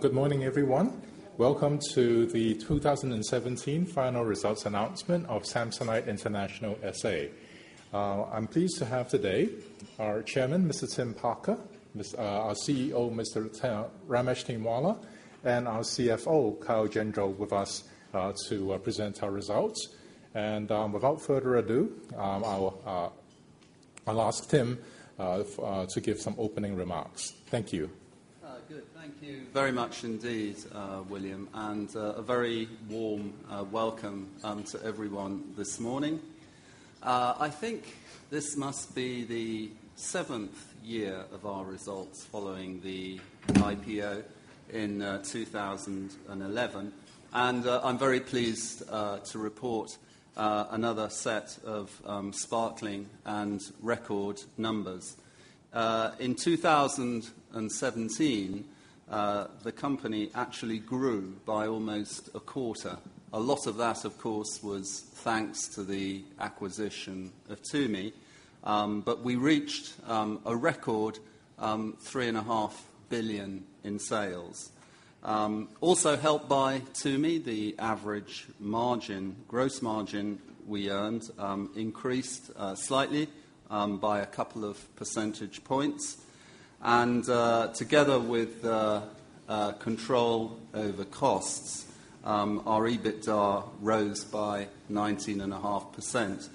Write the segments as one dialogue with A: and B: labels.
A: Good morning, everyone. Welcome to the 2017 final results announcement of Samsonite International S.A. I am pleased to have today our Chairman, Mr. Tim Parker, our CEO, Mr. Ramesh Tainwala, and our CFO, Kyle Gendreau, with us to present our results. Without further ado, I will ask Tim to give some opening remarks. Thank you.
B: Thank you very much indeed, William, and a very warm welcome to everyone this morning. I think this must be the seventh year of our results following the IPO in 2011, and I am very pleased to report another set of sparkling and record numbers. In 2017, the company actually grew by almost a quarter. A lot of that, of course, was thanks to the acquisition of Tumi. We reached a record $3.5 billion in sales. Also helped by Tumi, the average margin, gross margin we earned, increased slightly by a couple of percentage points. Together with control over costs, our EBITDA rose by 19.5%.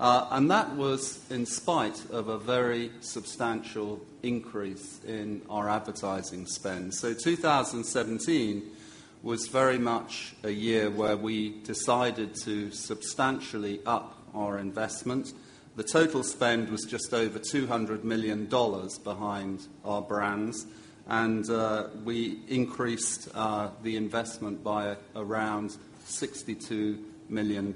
B: That was in spite of a very substantial increase in our advertising spend. 2017 was very much a year where we decided to substantially up our investment. The total spend was just over $200 million behind our brands, and we increased the investment by around $62 million.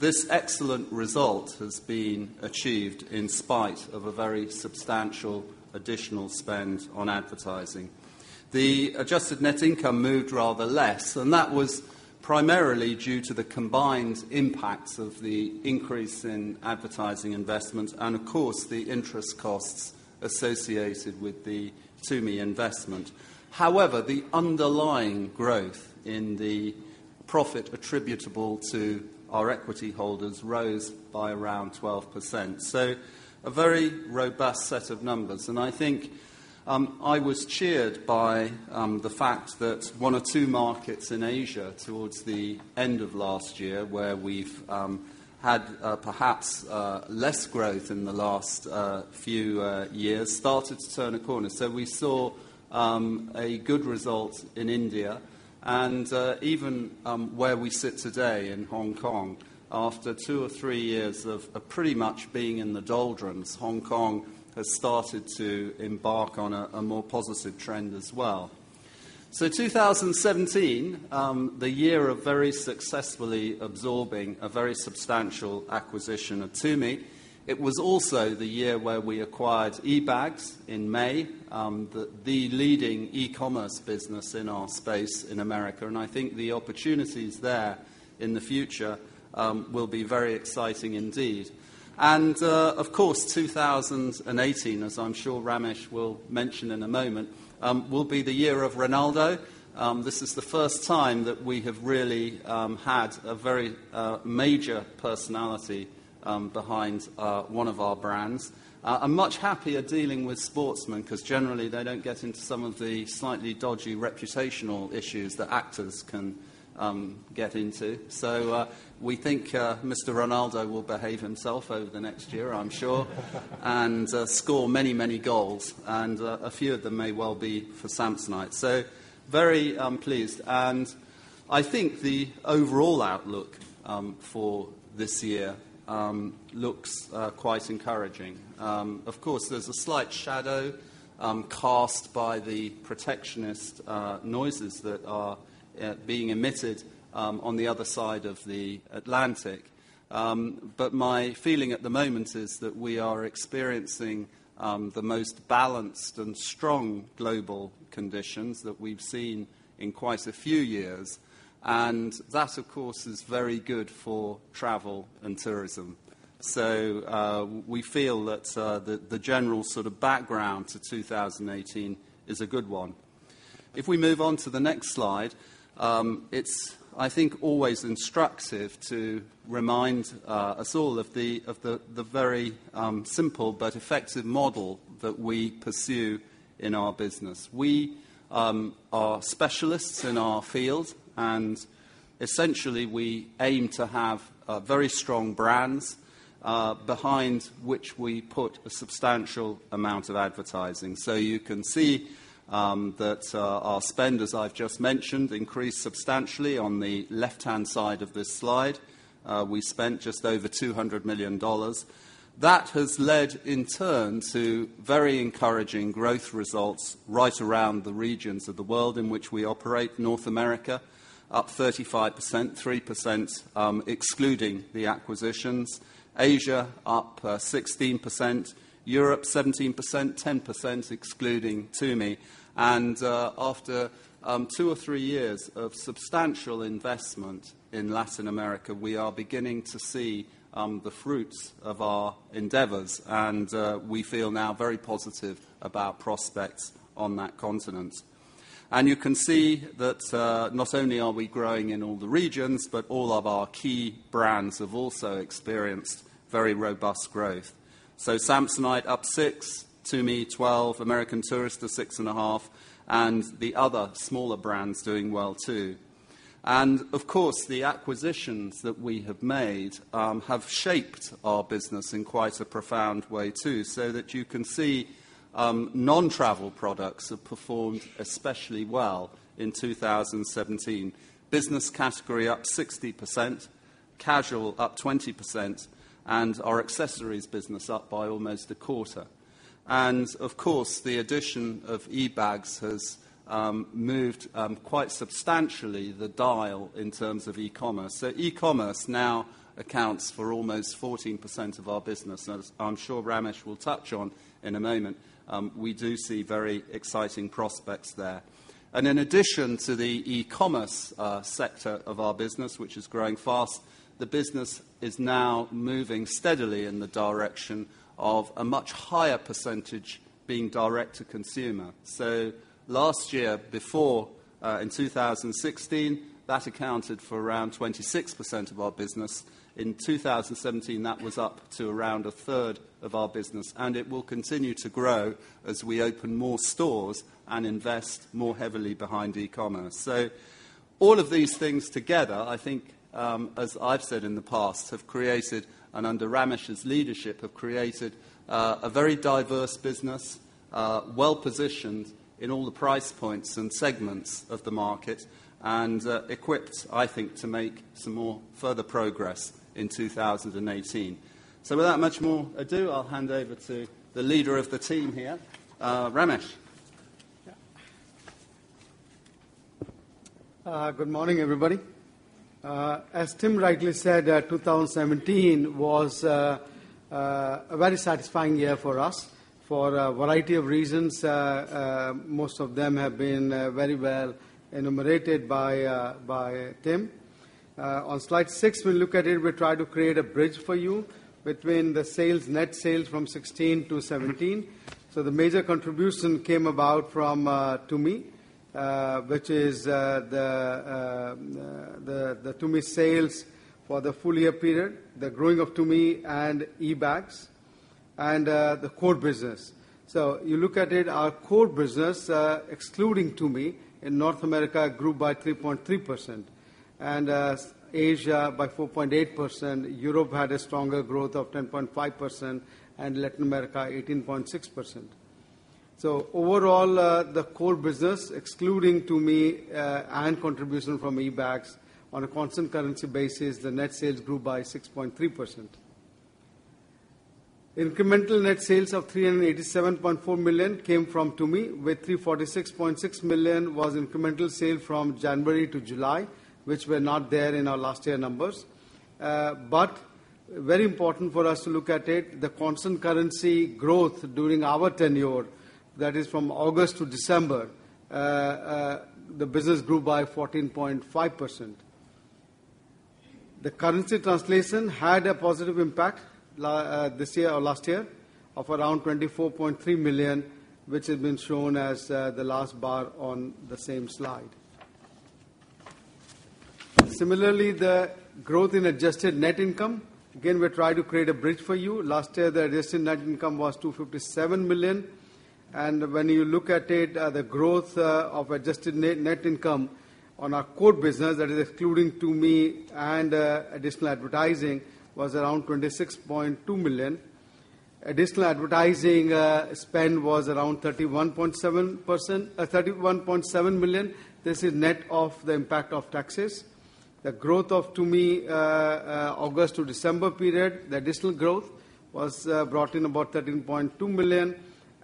B: This excellent result has been achieved in spite of a very substantial additional spend on advertising. The adjusted net income moved rather less, and that was primarily due to the combined impacts of the increase in advertising investment and, of course, the interest costs associated with the Tumi investment. However, the underlying growth in the profit attributable to our equity holders rose by around 12%. A very robust set of numbers. I think I was cheered by the fact that one or two markets in Asia towards the end of last year, where we have had perhaps less growth in the last few years, started to turn a corner. We saw a good result in India. Even where we sit today in Hong Kong, after two or three years of pretty much being in the doldrums, Hong Kong has started to embark on a more positive trend as well. 2017, the year of very successfully absorbing a very substantial acquisition of Tumi. It was also the year where we acquired eBags in May, the leading e-commerce business in our space in America. I think the opportunities there in the future will be very exciting indeed. Of course, 2018, as I am sure Ramesh will mention in a moment, will be the year of Ronaldo. This is the first time that we have really had a very major personality behind one of our brands. I am much happier dealing with sportsmen because generally they do not get into some of the slightly dodgy reputational issues that actors can get into. We think Mr. Ronaldo will behave himself over the next year, I'm sure and score many, many goals, and a few of them may well be for Samsonite. Very pleased. I think the overall outlook for this year looks quite encouraging. Of course, there's a slight shadow cast by the protectionist noises that are being emitted on the other side of the Atlantic. My feeling at the moment is that we are experiencing the most balanced and strong global conditions that we've seen in quite a few years. That, of course, is very good for travel and tourism. We feel that the general sort of background to 2018 is a good one. If we move on to the next slide, it's I think, always instructive to remind us all of the very simple but effective model that we pursue in our business. We are specialists in our field, essentially, we aim to have very strong brands behind which we put a substantial amount of advertising. You can see that our spend, as I've just mentioned, increased substantially on the left-hand side of this slide. We spent just over $200 million. That has led, in turn, to very encouraging growth results right around the regions of the world in which we operate. North America, up 35%, 3% excluding the acquisitions. Asia, up 16%. Europe, 17%, 10% excluding Tumi. After two or three years of substantial investment in Latin America, we are beginning to see the fruits of our endeavors, and we feel now very positive about prospects on that continent. You can see that not only are we growing in all the regions, but all of our key brands have also experienced very robust growth. Samsonite up 6%, Tumi 12%, American Tourister 6.5%, the other smaller brands doing well too. Of course, the acquisitions that we have made have shaped our business in quite a profound way too, so that you can see non-travel products have performed especially well in 2017. Business category up 60%, casual up 20%, our accessories business up by almost a quarter. Of course, the addition of eBags has moved quite substantially the dial in terms of e-commerce. E-commerce now accounts for almost 14% of our business. As I'm sure Ramesh will touch on in a moment, we do see very exciting prospects there. In addition to the e-commerce sector of our business, which is growing fast, the business is now moving steadily in the direction of a much higher percentage being direct to consumer. Last year, before in 2016, that accounted for around 26% of our business. In 2017, that was up to around a third of our business, and it will continue to grow as we open more stores and invest more heavily behind e-commerce. All of these things together, I think, as I've said in the past, have created, and under Ramesh's leadership, have created a very diverse business, well positioned in all the price points and segments of the market, equipped, I think, to make some more further progress in 2018. Without much more ado, I'll hand over to the leader of the team here, Ramesh.
C: Yeah. Good morning, everybody. As Tim rightly said, 2017 was a very satisfying year for us for a variety of reasons. Most of them have been very well enumerated by Tim. On slide six, we look at it. We try to create a bridge for you between the net sales from 2016 to 2017. The major contribution came about from Tumi, which is the Tumi sales for the full year period, the growing of Tumi and eBags, and the core business. You look at it, our core business, excluding Tumi, in North America, grew by 3.3%, and Asia by 4.8%. Europe had a stronger growth of 10.5%, and Latin America 18.6%. Overall, the core business, excluding Tumi and contribution from eBags, on a constant currency basis, the net sales grew by 6.3%. Incremental net sales of $387.4 million came from Tumi, with $346.6 million was incremental sale from January to July, which were not there in our last year numbers. Very important for us to look at it, the constant currency growth during our tenure, that is from August to December, the business grew by 14.5%. The currency translation had a positive impact this year or last year of around $24.3 million, which has been shown as the last bar on the same slide. Similarly, the growth in adjusted net income. Again, we try to create a bridge for you. Last year, the adjusted net income was $257 million, and when you look at it, the growth of adjusted net income on our core business, that is excluding Tumi and additional advertising, was around $26.2 million. Additional advertising spend was around $31.7 million. This is net of the impact of taxes. The growth of Tumi August to December period, the additional growth, brought in about $13.2 million,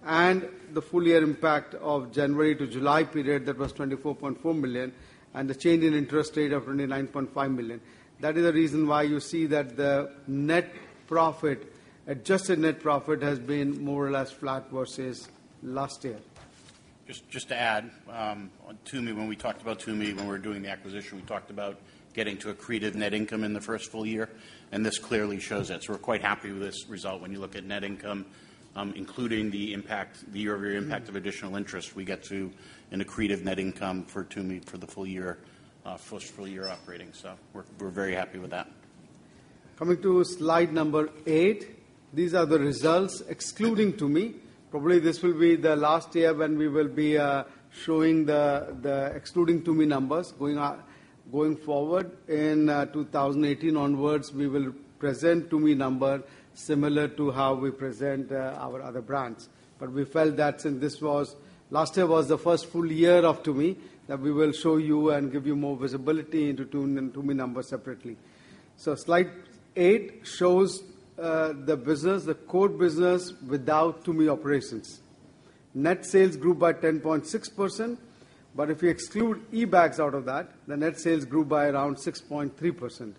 C: and the full year impact of January to July period, that was $24.4 million, and the change in interest rate of $29.5 million. That is the reason why you see that the adjusted net profit has been more or less flat versus last year.
D: Just to add on Tumi, when we talked about Tumi when we were doing the acquisition, we talked about getting to accretive net income in the first full year, and this clearly shows that. We're quite happy with this result when you look at net income, including the impact, the year-over-year impact of additional interest, we get to an accretive net income for Tumi for the full year operating. We're very happy with that.
C: Coming to slide eight, these are the results excluding Tumi. Probably this will be the last year when we will be showing the excluding Tumi numbers. Going forward in 2018 onwards, we will present Tumi numbers similar to how we present our other brands. We felt that since last year was the first full year of Tumi, we will show you and give you more visibility into Tumi numbers separately. Slide eight shows the business, the core business, without Tumi operations. Net sales grew by 10.6%, but if you exclude eBags out of that, the net sales grew by around 6.3%.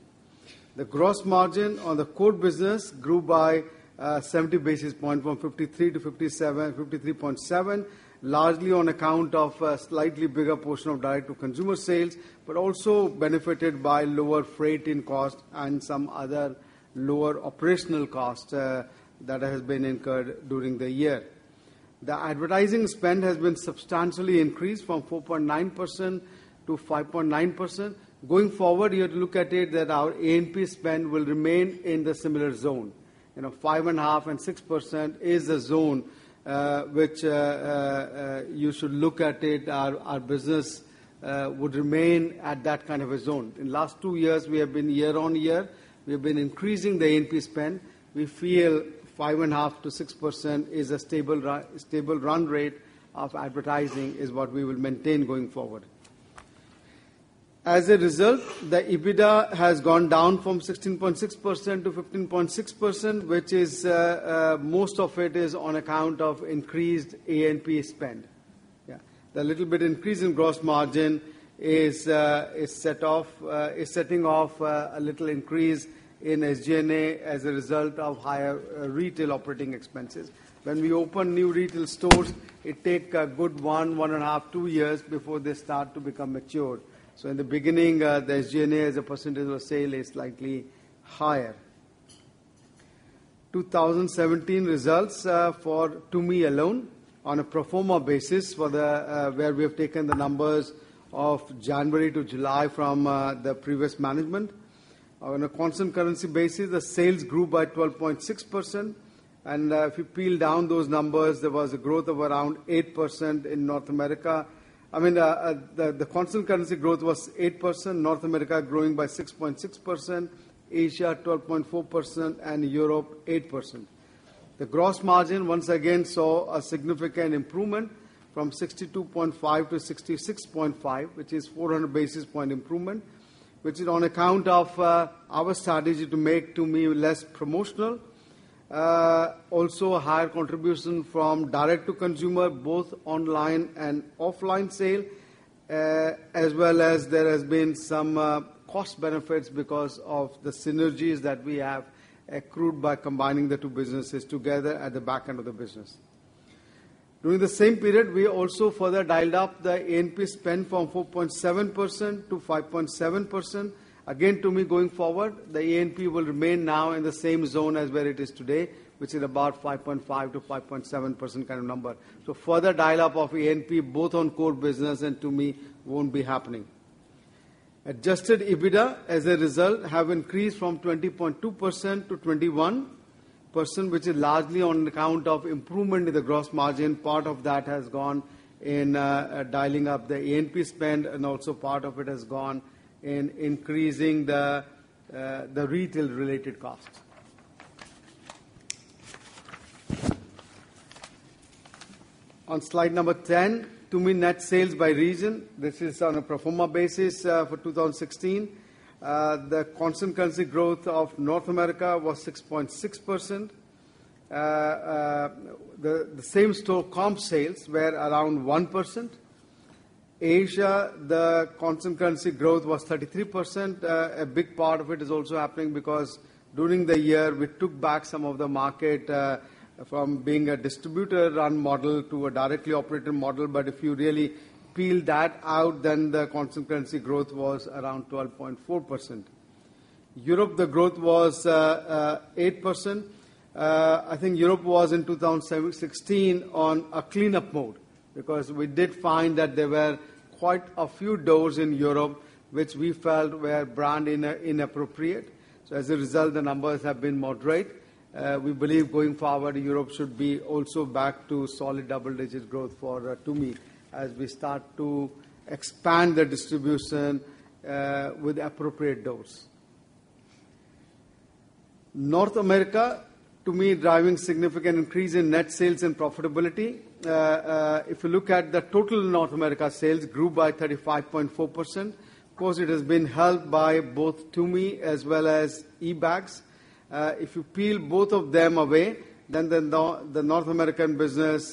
C: The gross margin on the core business grew by 70 basis points, from 53% to 53.7%, largely on account of a slightly bigger portion of direct to consumer sales. Also benefited by lower freight in cost and some other lower operational costs that has been incurred during the year. The advertising spend has been substantially increased from 4.9% to 5.9%. Going forward, you have to look at it that our A&P spend will remain in the similar zone. 5.5% and 6% is a zone which you should look at it. Our business would remain at that kind of a zone. In last two years, we have been year-on-year, we have been increasing the A&P spend. We feel 5.5% to 6% is a stable run rate of advertising, is what we will maintain going forward. As a result, the EBITDA has gone down from 16.6% to 15.6%, which most of it is on account of increased A&P spend. The little bit increase in gross margin is setting off a little increase in SG&A as a result of higher retail operating expenses. When we open new retail stores, it take a good one and a half, two years before they start to become mature. In the beginning, the SG&A as a percentage of sale is slightly higher. 2017 results for Tumi alone on a pro forma basis, where we have taken the numbers of January to July from the previous management. On a constant currency basis, the sales grew by 12.6%. If you peel down those numbers, there was a growth of around 8% in North America. I mean, the constant currency growth was 8%, North America growing by 6.6%, Asia 12.4%, and Europe 8%. The gross margin, once again, saw a significant improvement from 62.5% to 66.5%, which is 400 basis point improvement, which is on account of our strategy to make Tumi less promotional. Also, a higher contribution from direct to consumer, both online and offline sale, as well as there has been some cost benefits because of the synergies that we have accrued by combining the two businesses together at the back end of the business. During the same period, we also further dialed up the A&P spend from 4.7% to 5.7%. Again, Tumi going forward, the A&P will remain now in the same zone as where it is today, which is about 5.5% to 5.7% kind of number. Further dial-up of A&P, both on core business and Tumi, won't be happening. Adjusted EBITDA, as a result, have increased from 20.2% to 21%, which is largely on account of improvement in the gross margin. Part of that has gone in dialing up the A&P spend, and also part of it has gone in increasing the retail-related costs. On slide number 10, Tumi net sales by region. This is on a pro forma basis for 2016. The constant currency growth of North America was 6.6%. The same-store comp sales were around 1%. Asia, the constant currency growth was 33%. A big part of it is also happening because during the year, we took back some of the market from being a distributor-run model to a directly operated model. If you really peel that out, then the constant currency growth was around 12.4%. Europe, the growth was 8%. I think Europe was, in 2016, on a cleanup mode, because we did find that there were quite a few doors in Europe which we felt were brand inappropriate. As a result, the numbers have been moderate. We believe, going forward, Europe should be also back to solid double-digit growth for Tumi as we start to expand the distribution with appropriate doors. North America, Tumi driving significant increase in net sales and profitability. If you look at the total North America sales, grew by 35.4%. Of course, it has been helped by both Tumi as well as eBags. If you peel both of them away, then the North American business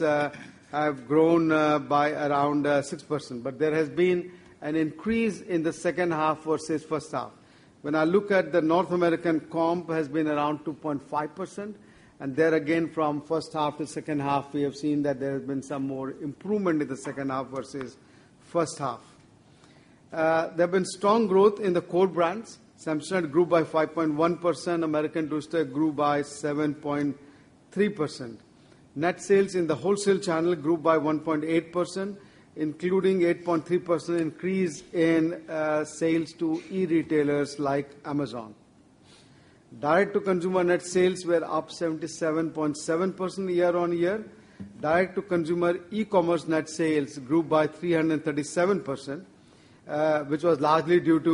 C: have grown by around 6%. There has been an increase in the second half versus first half. When I look at the North American comp has been around 2.5%. There again, from first half to second half, we have seen that there has been some more improvement in the second half versus first half. There have been strong growth in the core brands. Samsonite Group by 5.1%, American Tourister grew by 7.3%. Net sales in the wholesale channel grew by 1.8%, including 8.3% increase in sales to e-retailers like Amazon. Direct-to-consumer net sales were up 77.7% year-on-year. Direct-to-consumer e-commerce net sales grew by 337%, which was largely due to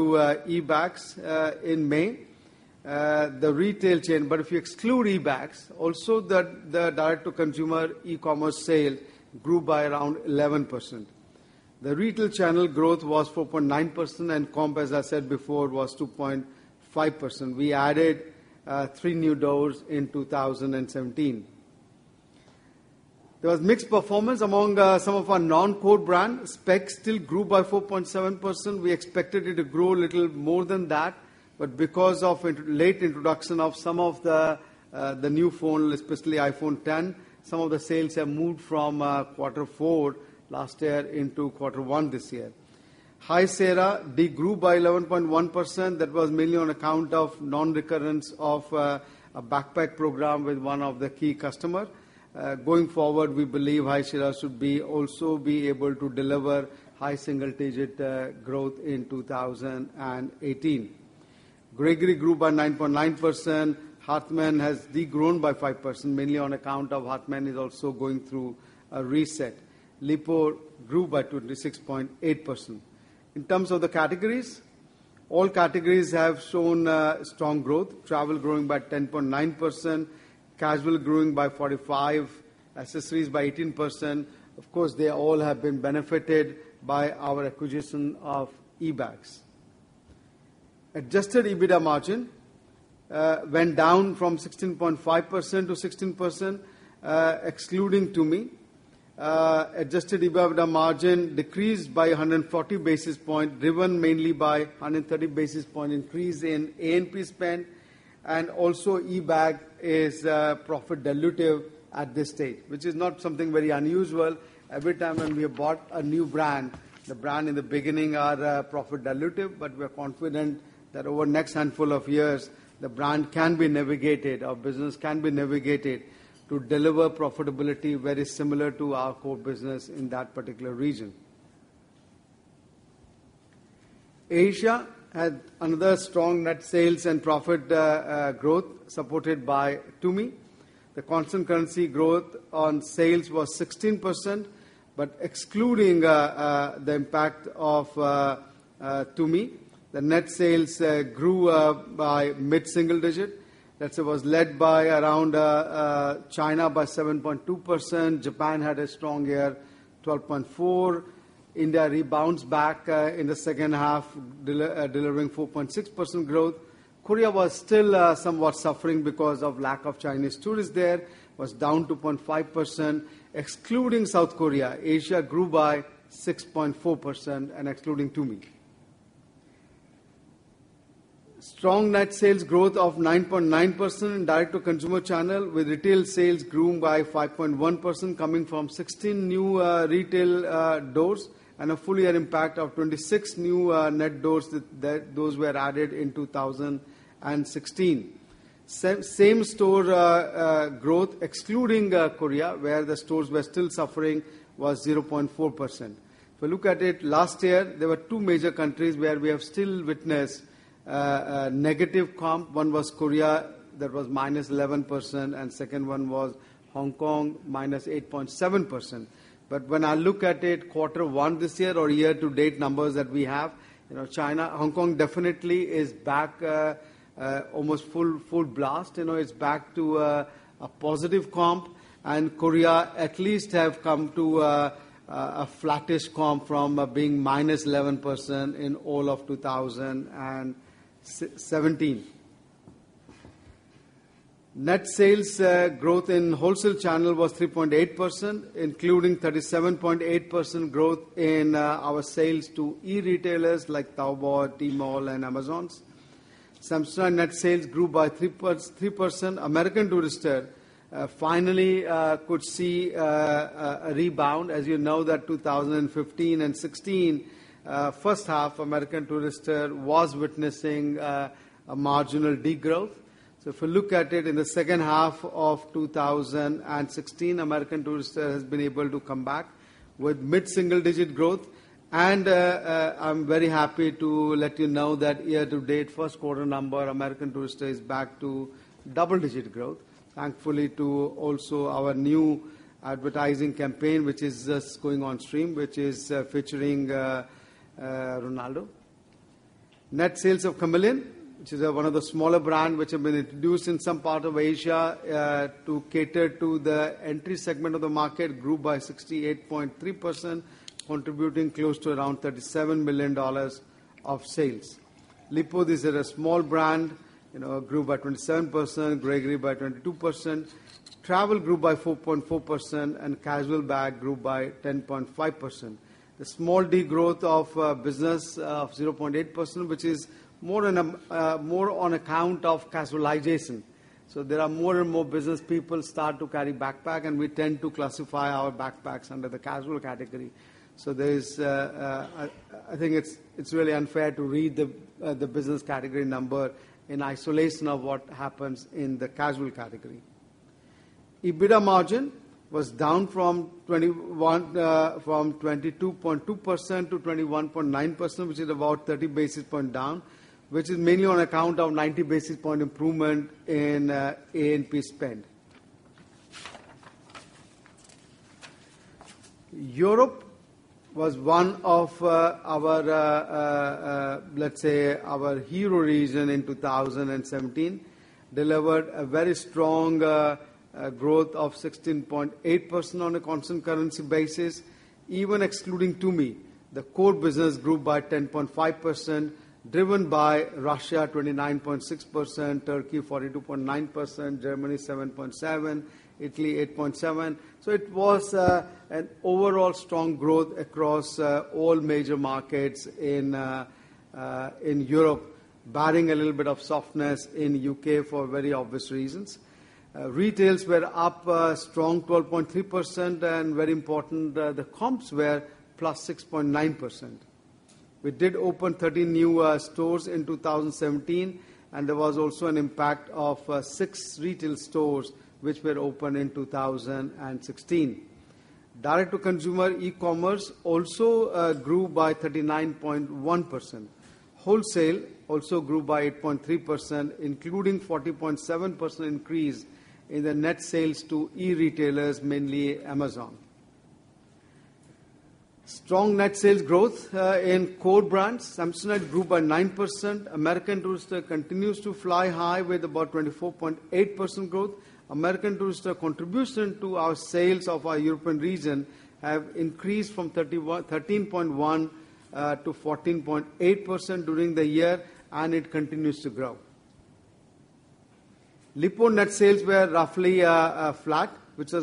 C: eBags in May. The retail chain, but if you exclude eBags, also the direct-to-consumer e-commerce sale grew by around 11%. The retail channel growth was 4.9%, and comp, as I said before, was 2.5%. We added three new doors in 2017. There was mixed performance among some of our non-core brands. Speck still grew by 4.7%. We expected it to grow a little more than that, because of late introduction of some of the new phone, especially iPhone X, some of the sales have moved from quarter four last year into quarter one this year. High Sierra de-grew by 11.1%. That was mainly on account of non-recurrence of a backpack program with one of the key customer. Going forward, we believe High Sierra should also be able to deliver high single-digit growth in 2018. Gregory grew by 9.9%. Hartmann has de-grown by 5%, mainly on account of Hartmann is also going through a reset. Lipault grew by 26.8%. In terms of the categories, all categories have shown strong growth. Travel growing by 10.9%, casual growing by 45%, accessories by 18%. Of course, they all have been benefited by our acquisition of eBags. Adjusted EBITDA margin went down from 16.5% to 16%, excluding Tumi. Adjusted EBITDA margin decreased by 140 basis point, driven mainly by 130 basis point increase in A&P spend. eBags is profit dilutive at this stage, which is not something very unusual. Every time when we have bought a new brand, the brand in the beginning are profit dilutive, we're confident that over the next handful of years, the brand can be navigated, our business can be navigated to deliver profitability very similar to our core business in that particular region. Asia had another strong net sales and profit growth supported by Tumi. The constant currency growth on sales was 16%, excluding the impact of Tumi, the net sales grew by mid-single digit. That was led by around China by 7.2%. Japan had a strong year, 12.4%. India rebounds back in the second half, delivering 4.6% growth. Korea was still somewhat suffering because of lack of Chinese tourists there, was down 2.5%. Excluding South Korea, Asia grew by 6.4%, excluding Tumi. Strong net sales growth of 9.9% in direct-to-consumer channel, with retail sales growing by 5.1%, coming from 16 new retail doors and a full year impact of 26 new net doors. Those were added in 2016. Same store growth, excluding Korea, where the stores were still suffering, was 0.4%. If you look at it last year, there were two major countries where we have still witnessed a negative comp. One was Korea, that was -11%, second one was Hong Kong, -8.7%. When I look at it Q1 this year or year-to-date numbers that we have, Hong Kong definitely is back almost full blast. It's back to a positive comp, Korea at least have come to a flattish comp from being -11% in all of 2017. Net sales growth in wholesale channel was 3.8%, including 37.8% growth in our sales to e-retailers like Taobao, Tmall, and Amazon. Samsonite net sales grew by 3%. American Tourister finally could see a rebound. As you know that 2015 and 2016, first half, American Tourister was witnessing a marginal de-growth. If you look at it in the second half of 2016, American Tourister has been able to come back with mid-single digit growth. I'm very happy to let you know that year-to-date, first quarter number, American Tourister is back to double-digit growth, thankfully to also our new advertising campaign, which is just going on stream, which is featuring Ronaldo. Net sales of Kamiliant, which is one of the smaller brand which have been introduced in some part of Asia to cater to the entry segment of the market, grew by 68.3%, contributing close to around $37 million of sales. Lipault is at a small brand, grew by 27%, Gregory by 22%. Travel grew by 4.4%, casual bag grew by 10.5%. The small de-growth of business of 0.8%, which is more on account of casualization. There are more and more business people start to carry backpack, we tend to classify our backpacks under the casual category. I think it's really unfair to read the business category number in isolation of what happens in the casual category. EBITDA margin was down from 22.2% to 21.9%, which is about 30 basis point down, which is mainly on account of 90 basis point improvement in A&P spend. Europe was one of our, let's say, our hero region in 2017. It delivered a very strong growth of 16.8% on a constant currency basis. Even excluding Tumi, the core business grew by 10.5%, driven by Russia 29.6%, Turkey 42.9%, Germany 7.7%, Italy 8.7%. It was an overall strong growth across all major markets in Europe, barring a little bit of softness in U.K. for very obvious reasons. Retails were up strong 12.3%, and very important, the comp sales were +6.9%. We did open 13 new stores in 2017, and there was also an impact of six retail stores which were opened in 2016. D2C e-commerce also grew by 39.1%. Wholesale also grew by 8.3%, including 14.7% increase in the net sales to e-retailers, mainly Amazon. Strong net sales growth in core brands. Samsonite grew by 9%. American Tourister continues to fly high with about 24.8% growth. American Tourister contribution to our sales of our European region has increased from 13.1% to 14.8% during the year, and it continues to grow. Lipault net sales were roughly flat, which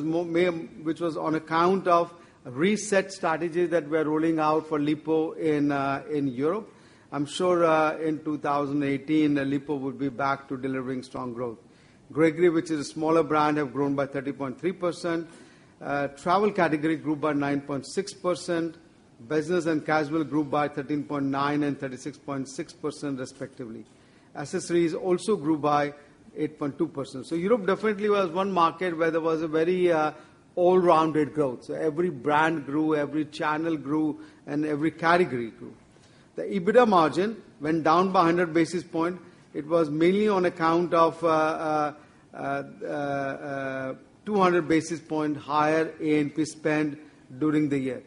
C: was on account of reset strategies that we're rolling out for Lipault in Europe. I'm sure in 2018, Lipault would be back to delivering strong growth. Gregory, which is a smaller brand, has grown by 30.3%. Travel category grew by 9.6%. Business and casual grew by 13.9% and 36.6% respectively. Accessories also grew by 8.2%. Europe definitely was one market where there was a very all-rounded growth. Every brand grew, every channel grew, and every category grew. The EBITDA margin went down by 100 basis points. It was mainly on account of 200 basis points higher A&P spend during the year.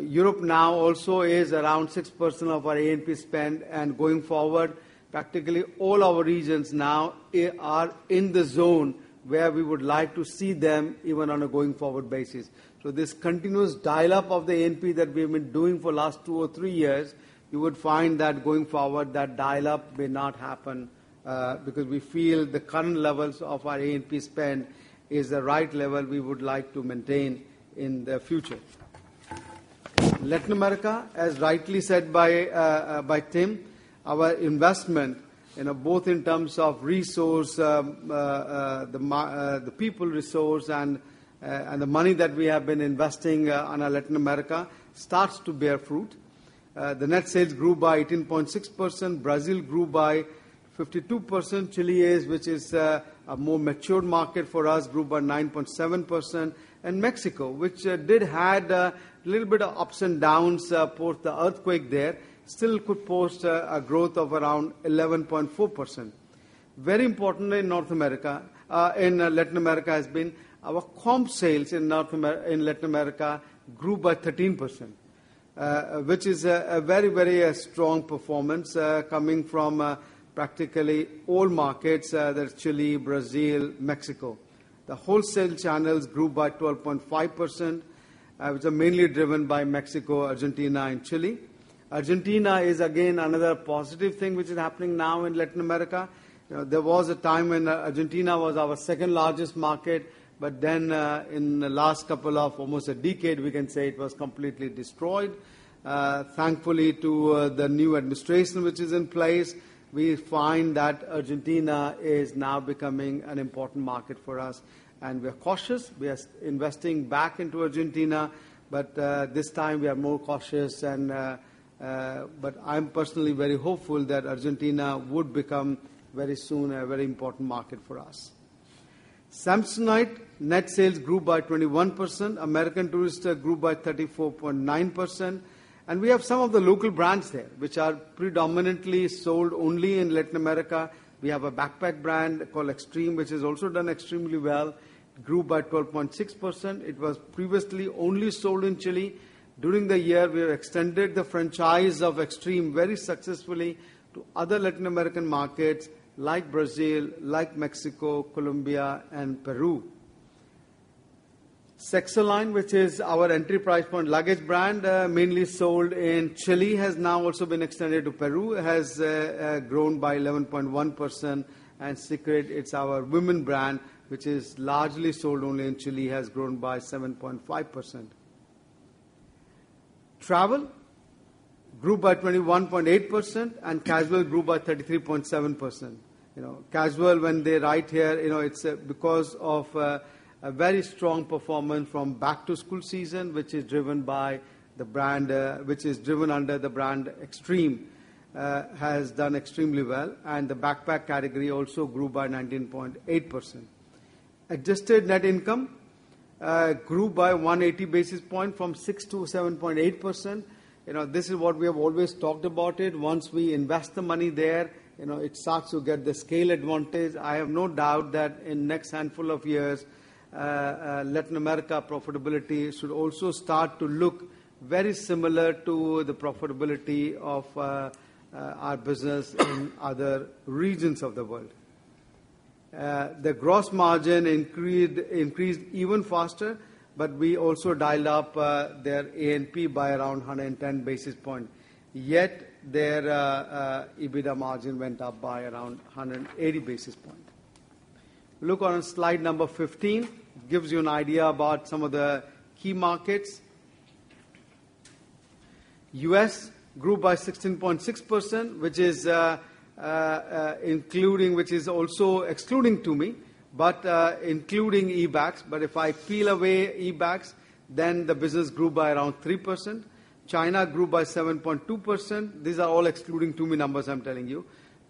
C: Europe now also is around 6% of our A&P spend, and going forward, practically all our regions now are in the zone where we would like to see them even on a going forward basis. This continuous dial-up of the A&P that we have been doing for last two or three years, you would find that going forward, that dial-up may not happen, because we feel the current levels of our A&P spend is the right level we would like to maintain in the future. Latin America, as rightly said by Tim, our investment both in terms of resource, the people resource, and the money that we have been investing on Latin America starts to bear fruit. The net sales grew by 18.6%. Brazil grew by 52%. Chile, which is a more mature market for us, grew by 9.7%. Mexico, which did have a little bit of ups and downs post the earthquake there, still could post a growth of around 11.4%. Very important in Latin America has been our comp sales in Latin America grew by 13%, which is a very strong performance, coming from practically all markets. There's Chile, Brazil, Mexico. The wholesale channels grew by 12.5%, which are mainly driven by Mexico, Argentina, and Chile. Argentina is again another positive thing which is happening now in Latin America. There was a time when Argentina was our second largest market, but then in the last couple of almost a decade, we can say it was completely destroyed. Thankfully to the new administration which is in place, we find that Argentina is now becoming an important market for us, and we are cautious. We are investing back into Argentina. This time, we are more cautious, but I'm personally very hopeful that Argentina would become very soon a very important market for us. Samsonite net sales grew by 21%. American Tourister grew by 34.9%. We have some of the local brands there, which are predominantly sold only in Latin America. We have a backpack brand called Xtrem, which has also done extremely well. It grew by 12.6%. It was previously only sold in Chile. During the year, we have extended the franchise of Xtrem very successfully to other Latin American markets like Brazil, like Mexico, Colombia, and Peru. Saxoline, which is our entry price point luggage brand, mainly sold in Chile, has now also been extended to Peru. It has grown by 11.1%. Secret, it's our women brand, which is largely sold only in Chile, has grown by 7.5%. Travel grew by 21.8%, and casual grew by 33.7%. Casual, when they write here, it's because of a very strong performance from back-to-school season, which is driven under the brand Xtrem, has done extremely well, and the backpack category also grew by 19.8%. Adjusted net income grew by 180 basis points from 6% to 7.8%. This is what we have always talked about it. Once we invest the money there, it starts to get the scale advantage. I have no doubt that in next handful of years, Latin America profitability should also start to look very similar to the profitability of our business in other regions of the world. The gross margin increased even faster, but we also dialled up their A&P by around 110 basis points. Their EBITDA margin went up by around 180 basis points. Look on slide number 15. Gives you an idea about some of the key markets. U.S. grew by 16.6%, which is also excluding Tumi, but including eBags. If I peel away eBags, then the business grew by around 3%. China grew by 7.2%. These are all excluding Tumi numbers I'm telling you.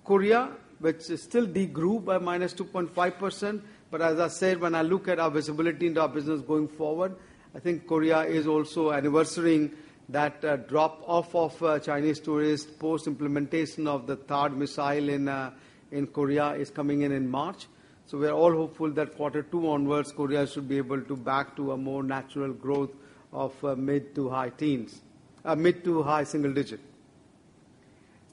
C: Korea, which still de-grew by -2.5%, but as I said, when I look at our visibility into our business going forward, I think Korea is also anniversarying that drop-off of Chinese tourists post-implementation of the THAAD missile in Korea is coming in in March. We are all hopeful that quarter two onwards, Korea should be able to go back to a more natural growth of mid- to high-single digit.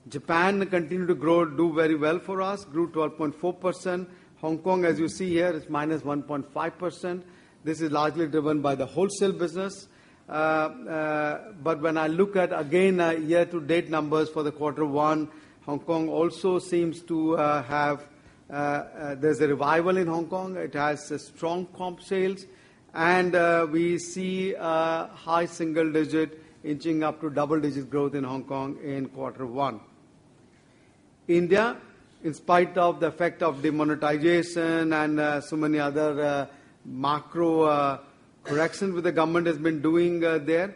C: Japan continued to grow, do very well for us, grew 12.4%. Hong Kong, as you see here, is -1.5%. This is largely driven by the wholesale business. When I look at, again, year-to-date numbers for the quarter one, Hong Kong also seems to have a revival in Hong Kong. It has strong comp sales, and we see high-single digit inching up to double-digit growth in Hong Kong in quarter one. India, in spite of the effect of demonetization and so many other macro corrections with the government has been doing there,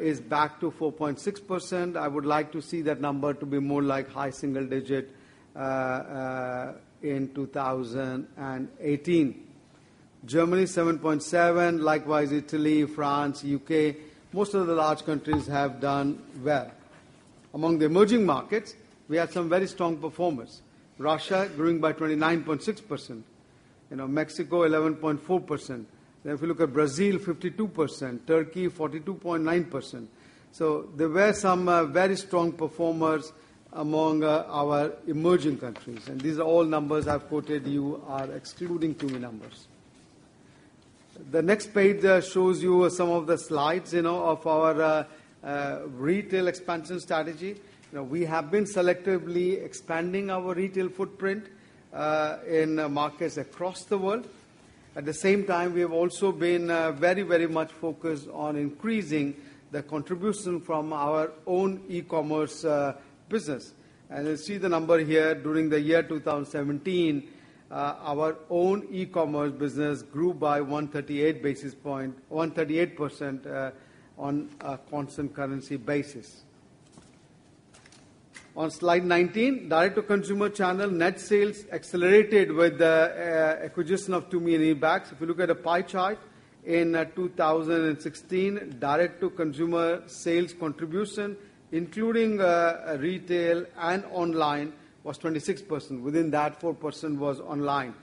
C: is back to 4.6%. I would like to see that number to be more like high-single digit in 2018. Germany, 7.7%. Likewise, Italy, France, U.K., most of the large countries have done well. Among the emerging markets, we had some very strong performers. Russia growing by 29.6%, Mexico 11.4%. If you look at Brazil, 52%, Turkey, 42.9%. There were some very strong performers among our emerging countries. These are all numbers I've quoted you are excluding Tumi numbers. The next page shows you some of the slides of our retail expansion strategy. We have been selectively expanding our retail footprint in markets across the world. At the same time, we have also been very much focused on increasing the contribution from our own e-commerce business. You see the number here during the year 2017, our own e-commerce business grew by 138% on a constant currency basis. On slide 19, direct-to-consumer channel net sales accelerated with the acquisition of Tumi and eBags. If you look at a pie chart, in 2016, direct-to-consumer sales contribution, including retail and online, was 26%. Within that, 4% was online.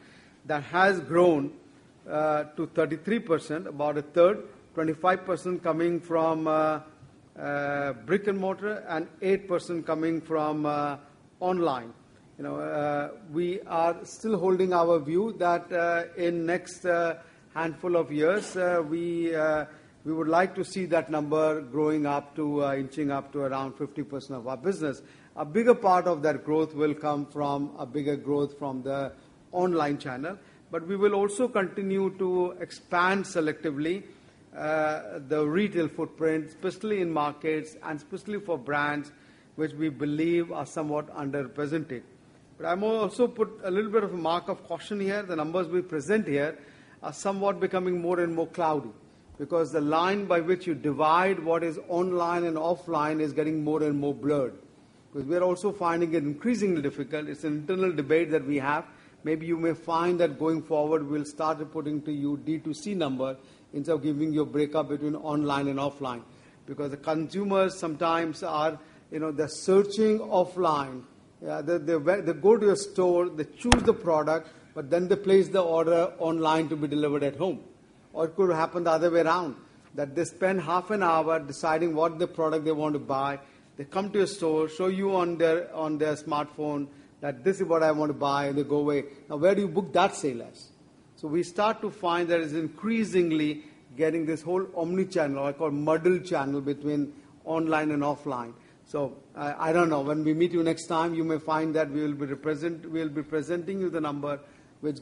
C: That has grown to 33%, about a third, 25% coming from brick-and-mortar and 8% coming from online. We are still holding our view that in next handful of years, we would like to see that number growing up to inching up to around 50% of our business. A bigger part of that growth will come from a bigger growth from the online channel. We will also continue to expand selectively the retail footprint, especially in markets and especially for brands which we believe are somewhat underrepresented. I'm also put a little bit of a mark of caution here. The numbers we present here are somewhat becoming more and more cloudy because the line by which you divide what is online and offline is getting more and more blurred. We are also finding it increasingly difficult. It's an internal debate that we have. Maybe you may find that going forward, we'll start reporting to you D2C number instead of giving you a breakup between online and offline. The consumers sometimes they're searching offline. They go to a store, they choose the product, but then they place the order online to be delivered at home. Or it could happen the other way around, that they spend half an hour deciding what the product they want to buy. They come to a store, show you on their smartphone that this is what I want to buy, and they go away. Now, where do you book that sale as? We start to find that it's increasingly getting this whole omni-channel, I call muddle channel between online and offline. I don't know. When we meet you next time, you may find that we'll be presenting you the number which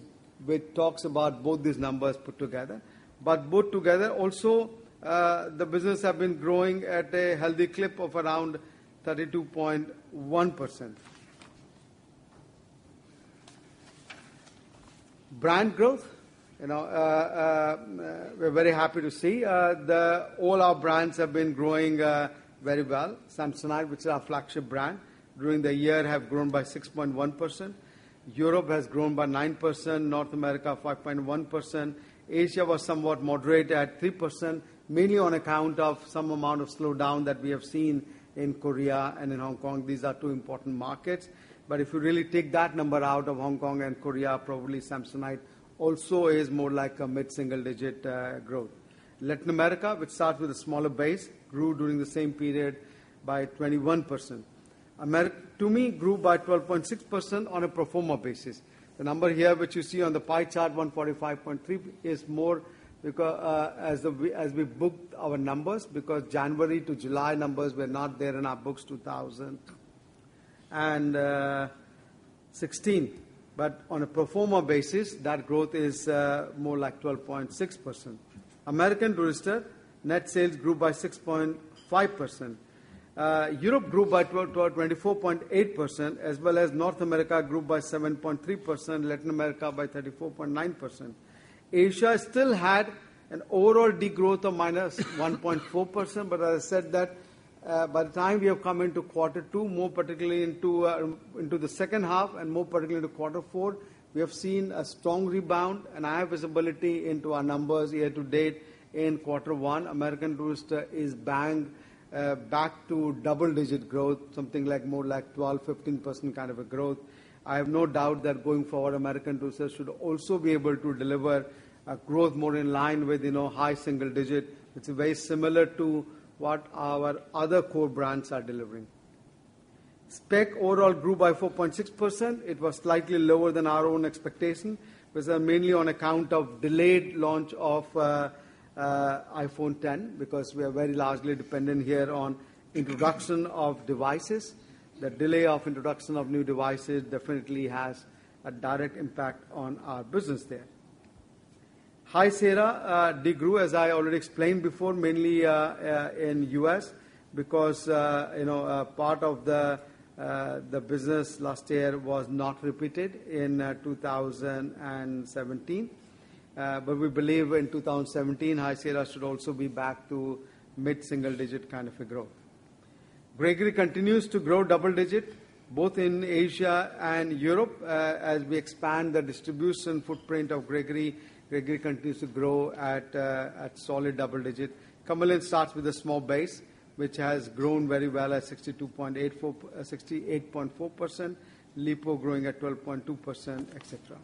C: talks about both these numbers put together. Both together also, the business have been growing at a healthy clip of around 32.1%. Brand growth. We're very happy to see all our brands have been growing very well. Samsonite, which is our flagship brand, during the year have grown by 6.1%. Europe has grown by 9%, North America 5.1%. Asia was somewhat moderate at 3%, mainly on account of some amount of slowdown that we have seen in Korea and in Hong Kong. These are two important markets. If you really take that number out of Hong Kong and Korea, probably Samsonite also is more like a mid-single digit growth. Latin America, which starts with a smaller base, grew during the same period by 21%. Tumi grew by 12.6% on a pro forma basis. The number here, which you see on the pie chart, $145.3, is more as we booked our numbers because January to July numbers were not there in our books 2017 and 2016. On a pro forma basis, that growth is more like 12.6%. American Tourister net sales grew by 6.5%. Europe grew by 24.8%, as well as North America grew by 7.3%, Latin America by 34.9%. Asia still had an overall degrowth of -1.4%. As I said that by the time we have come into quarter two, more particularly into the second half, and more particularly into quarter four, we have seen a strong rebound, and I have visibility into our numbers year to date in quarter one. American Tourister is bang back to double-digit growth, something more like 12%-15% kind of a growth. I have no doubt that going forward, American Tourister should also be able to deliver a growth more in line with high single digit. It's very similar to what our other core brands are delivering. Speck overall grew by 4.6%. It was slightly lower than our own expectation. It was mainly on account of delayed launch of iPhone X, because we are very largely dependent here on introduction of devices. The delay of introduction of new devices definitely has a direct impact on our business there. High Sierra de-grew, as I already explained before, mainly in U.S. because, part of the business last year was not repeated in 2018. We believe in 2018, High Sierra should also be back to mid-single digit kind of a growth. Gregory continues to grow double digit, both in Asia and Europe. As we expand the distribution footprint of Gregory continues to grow at solid double digit. Kamiliant starts with a small base, which has grown very well at 68.4%. Lipault growing at 12.2%, et cetera.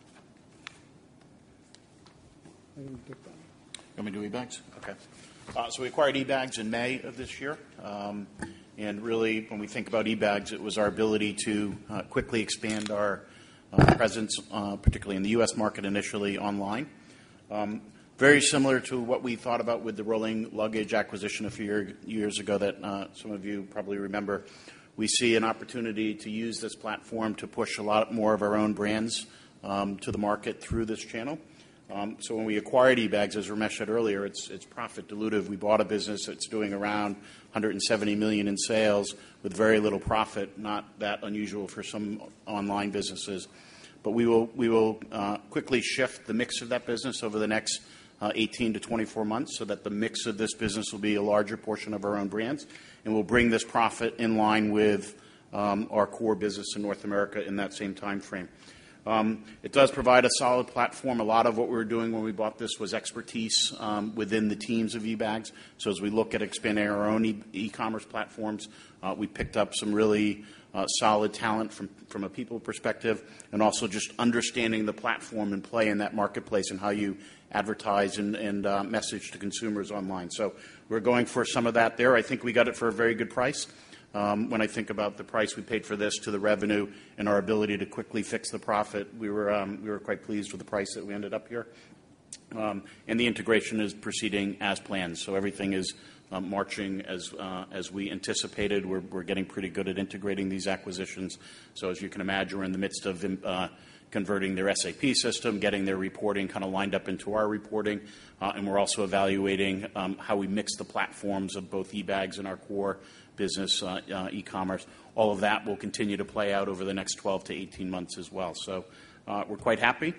C: I think we're good there.
D: You want me to do eBags? Okay. We acquired eBags in May of this year. Really, when we think about eBags, it was our ability to quickly expand our presence, particularly in the U.S. market, initially online. Very similar to what we thought about with the Rolling Luggage acquisition a few years ago that some of you probably remember. We see an opportunity to use this platform to push a lot more of our own brands to the market through this channel. When we acquired eBags, as Ramesh said earlier, it's profit dilutive. We bought a business that's doing around $170 million in sales with very little profit. Not that unusual for some online businesses. We will quickly shift the mix of that business over the next 18 to 24 months so that the mix of this business will be a larger portion of our own brands. We'll bring this profit in line with our core business in North America in that same timeframe. It does provide a solid platform. A lot of what we were doing when we bought this was expertise within the teams of eBags. As we look at expanding our own e-commerce platforms, we picked up some really solid talent from a people perspective, and also just understanding the platform and play in that marketplace, and how you advertise and message to consumers online. We're going for some of that there. I think we got it for a very good price. When I think about the price we paid for this to the revenue and our ability to quickly fix the profit, we were quite pleased with the price that we ended up here. The integration is proceeding as planned. Everything is marching as we anticipated. We're getting pretty good at integrating these acquisitions. As you can imagine, we're in the midst of converting their SAP system, getting their reporting lined up into our reporting. We're also evaluating how we mix the platforms of both eBags and our core business e-commerce. All of that will continue to play out over the next 12 to 18 months as well. We're quite happy.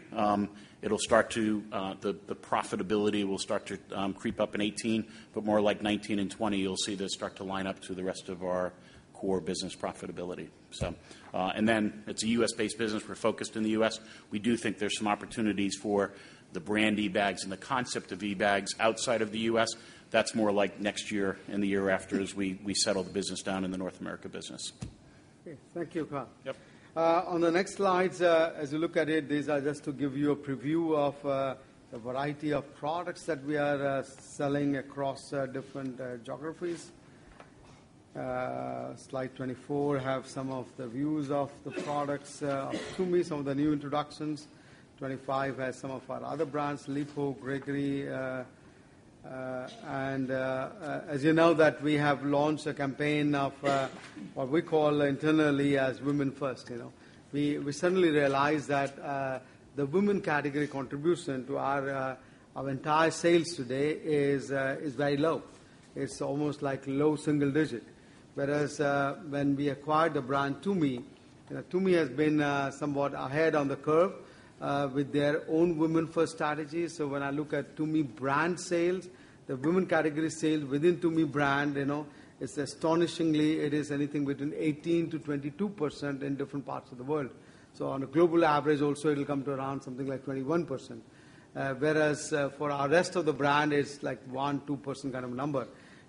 D: The profitability will start to creep up in 2018, but more like 2019 and 2020 you'll see this start to line up to the rest of our core business profitability. It's a U.S.-based business. We're focused in the U.S. We do think there's some opportunities for the brand eBags and the concept of eBags outside of the U.S. That's more like next year and the year after as we settle the business down in the North America business.
C: Okay. Thank you, Kyle.
D: Yep.
C: On the next slides, as you look at it, these are just to give you a preview of the variety of products that we are selling across different geographies. Slide 24 have some of the views of the products of Tumi, some of the new introductions. Slide 25 has some of our other brands, Lipault, Gregory. As you know that we have launched a campaign of what we call internally as Women First. We suddenly realized that the women category contribution to our entire sales today is very low. It's almost like low single digit. Whereas, when we acquired the brand Tumi has been somewhat ahead on the curve, with their own Women First strategy. When I look at Tumi brand sales, the women category sales within Tumi brand, astonishingly, it is anything between 18%-22% in different parts of the world. On a global average also, it'll come to around something like 21%. Whereas, for our rest of the brand is like 1%-2% kind of number.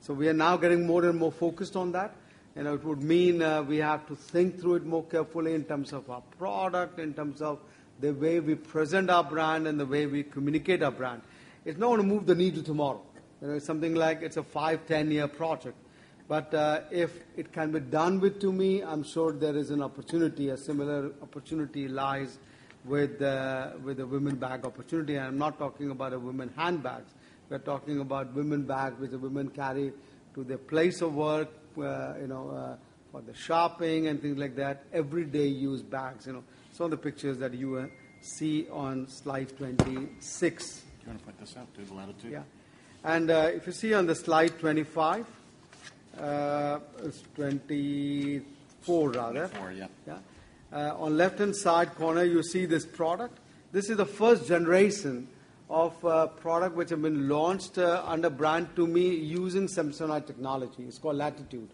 C: We are now getting more and more focused on that, and it would mean, we have to think through it more carefully in terms of our product, in terms of the way we present our brand, and the way we communicate our brand. It's not a move the need to tomorrow. It's something like it's a 5-10-year project. If it can be done with Tumi, I'm sure there is an opportunity. A similar opportunity lies with the women bag opportunity. I'm not talking about a women handbags. We're talking about women bag which the women carry to the place of work, for the shopping and things like that. Everyday use bags. Some of the pictures that you will see on slide 26.
D: Do you want to point this out, do the Latitude?
C: Yeah. If you see on the slide 25, it's 24 rather.
D: Four, yeah.
C: Yeah. On left-hand side corner, you see this product. This is the first generation of product which have been launched under brand Tumi using Samsonite technology. It's called Latitude.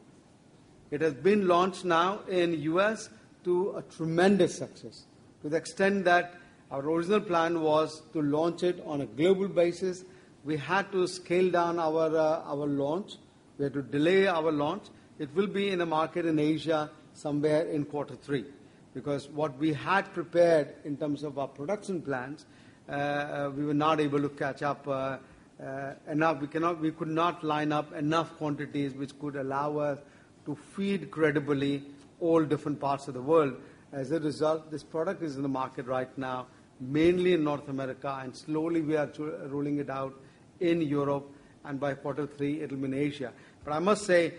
C: It has been launched now in U.S. to a tremendous success. To the extent that our original plan was to launch it on a global basis. We had to scale down our launch. We had to delay our launch. It will be in the market in Asia somewhere in quarter three, because what we had prepared in terms of our production plans, we were not able to catch up. We could not line up enough quantities which could allow us to feed credibly all different parts of the world. As a result, this product is in the market right now, mainly in North America, and slowly we are rolling it out in Europe, and by quarter three it will be in Asia. I must say,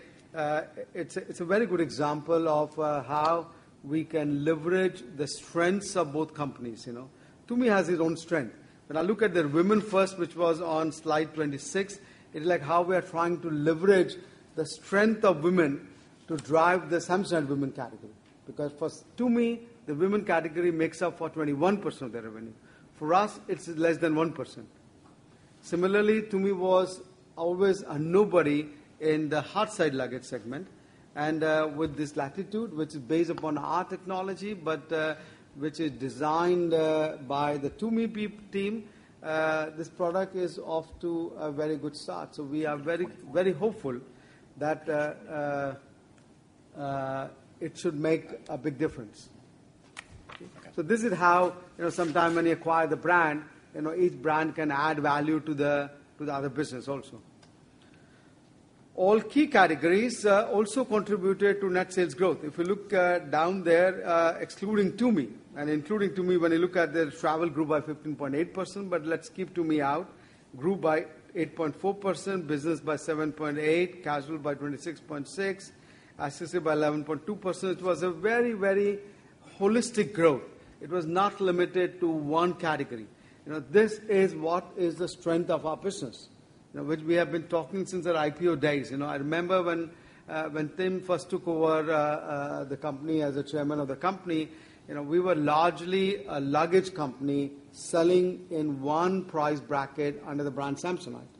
C: it's a very good example of how we can leverage the strengths of both companies. Tumi has its own strength. When I look at the Women First, which was on slide 26, it's like how we are trying to leverage the strength of women to drive the Samsonite women category. Because for Tumi, the women category makes up for 21% of their revenue. For us, it's less than 1%. Similarly, Tumi was always a nobody in the hard side luggage segment. With this Latitude, which is based upon our technology, but which is designed by the Tumi team, this product is off to a very good start. We are very hopeful that it should make a big difference.
D: Okay.
C: This is how, sometime when you acquire the brand, each brand can add value to the other business also. All key categories also contributed to net sales growth. If you look down there, excluding Tumi and including Tumi, when you look at their travel grew by 15.8%, but let's keep Tumi out, grew by 8.4%, business by 7.8%, casual by 26.6%, accessory by 11.2%. It was a very holistic growth. It was not limited to one category. This is what is the strength of our business, which we have been talking since our IPO days. I remember when Tim first took over the company as the chairman of the company, we were largely a luggage company selling in one price bracket under the brand Samsonite.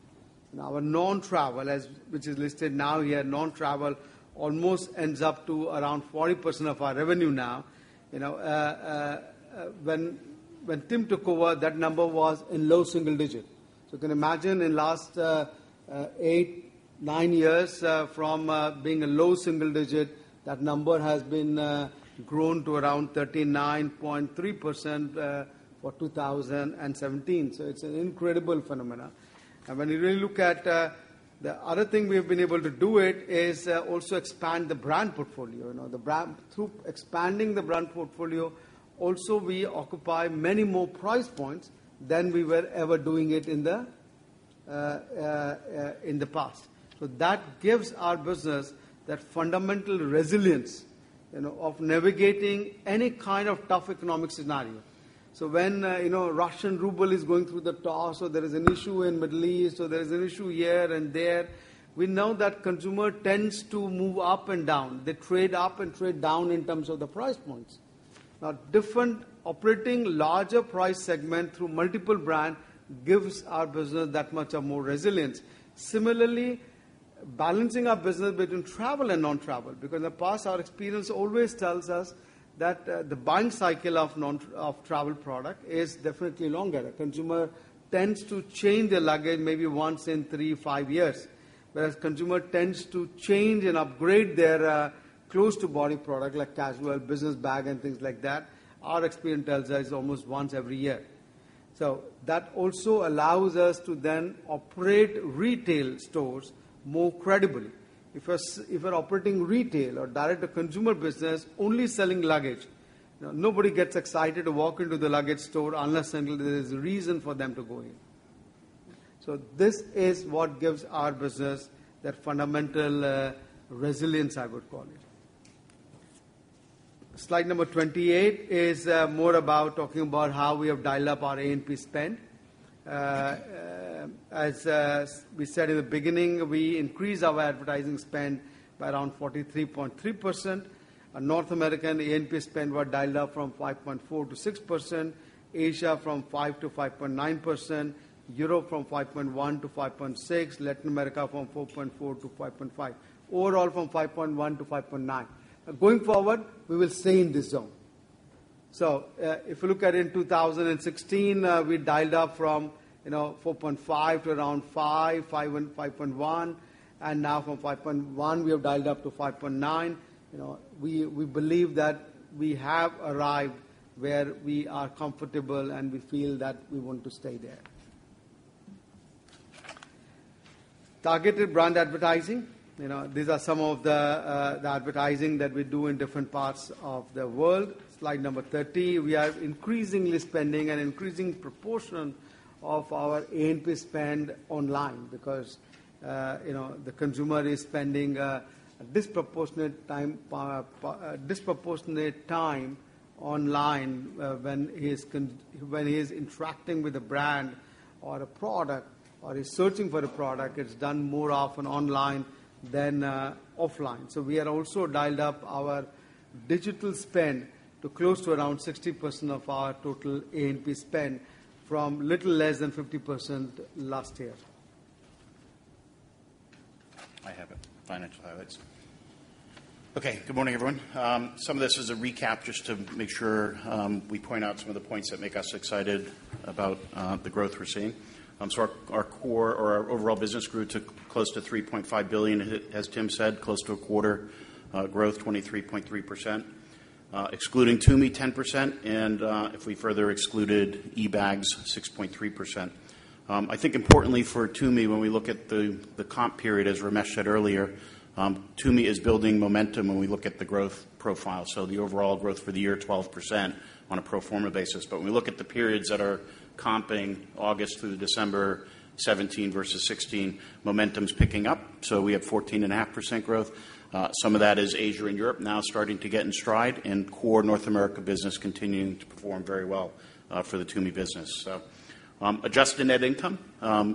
C: Our non-travel, which is listed now here, non-travel almost ends up to around 40% of our revenue now. When Tim took over, that number was in low single digit. You can imagine in last eight, nine years from being a low single digit, that number has been grown to around 39.3% for 2017. It's an incredible phenomenon. When you really look at the other thing we have been able to do it is also expand the brand portfolio. Through expanding the brand portfolio, also we occupy many more price points than we were ever doing it in the past. That gives our business that fundamental resilience of navigating any kind of tough economic scenario. When Russian ruble is going through the toss or there is an issue in Middle East or there is an issue here and there, we know that consumer tends to move up and down. They trade up and trade down in terms of the price points. Different operating larger price segment through multiple brand gives our business that much a more resilience. Similarly, balancing our business between travel and non-travel, because in the past our experience always tells us that the buying cycle of travel product is definitely longer. The consumer tends to change their luggage maybe once in three, five years. Whereas consumer tends to change and upgrade their close-to-body product like casual, business bag and things like that. Our experience tells us almost once every year. That also allows us to then operate retail stores more credibly. If we're operating retail or direct to consumer business only selling luggage, nobody gets excited to walk into the luggage store unless and there is a reason for them to go in. This is what gives our business that fundamental resilience, I would call it. Slide number 28 is more about talking about how we have dialed up our A&P spend. As we said in the beginning, we increased our advertising spend by around 43.3%. North American A&P spend were dialed up from 5.4%-6%, Asia from 5%-5.9%, Europe from 5.1%-5.6%, Latin America from 4.4%-5.5%. Overall, from 5.1%-5.9%. Going forward, we will stay in this zone. If you look at in 2016, we dialed up from 4.5% to around 5%, 5.1%. Now from 5.1%, we have dialed up to 5.9%. We believe that we have arrived where we are comfortable and we feel that we want to stay there. Targeted brand advertising. These are some of the advertising that we do in different parts of the world. Slide number 30. We are increasingly spending an increasing proportion of our A&P spend online because the consumer is spending a disproportionate time online when he is interacting with a brand or a product, or is searching for a product, it's done more often online than offline. We have also dialed up our digital spend to close to around 60% of our total A&P spend from little less than 50% last year.
D: I have it. Financial highlights. Okay. Good morning, everyone. Some of this is a recap just to make sure we point out some of the points that make us excited about the growth we're seeing. Our core or our overall business grew to close to $3.5 billion. As Tim said, close to a quarter growth, 23.3%. Excluding Tumi, 10%, and if we further excluded eBags, 6.3%. I think importantly for Tumi, when we look at the comp period, as Ramesh said earlier, Tumi is building momentum when we look at the growth profile. The overall growth for the year, 12% on a pro forma basis. When we look at the periods that are comping August through December 2017 versus 2016, momentum's picking up. We have 14.5% growth. Some of that is Asia and Europe now starting to get in stride, and core North America business continuing to perform very well for the Tumi business. Adjusted net income.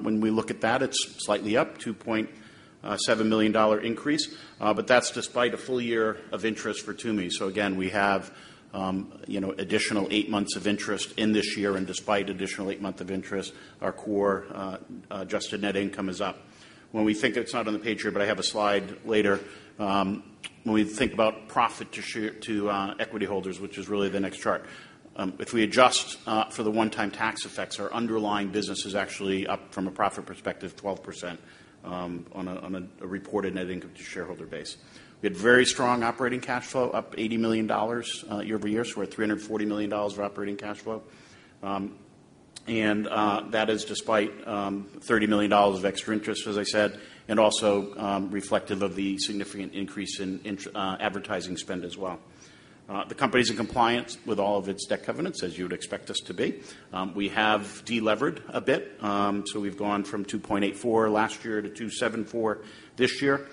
D: When we look at that, it's slightly up, $2.7 million increase, but that's despite a full year of interest for Tumi. Again, we have additional eight months of interest in this year, and despite additional eight month of interest, our core adjusted net income is up. When we think it's not on the page here, but I have a slide later. When we think about profit to equity holders, which is really the next chart. If we adjust for the one-time tax effects, our underlying business is actually up from a profit perspective, 12% on a reported net income to shareholder base. We had very strong operating cash flow, up $80 million year-over-year. We're at $340 million of operating cash flow. That is despite $30 million of extra interest, as I said, and also reflective of the significant increase in advertising spend as well. The company's in compliance with all of its debt covenants, as you would expect us to be. We have de-levered a bit, we've gone from 2.84 last year to 2.74 this year.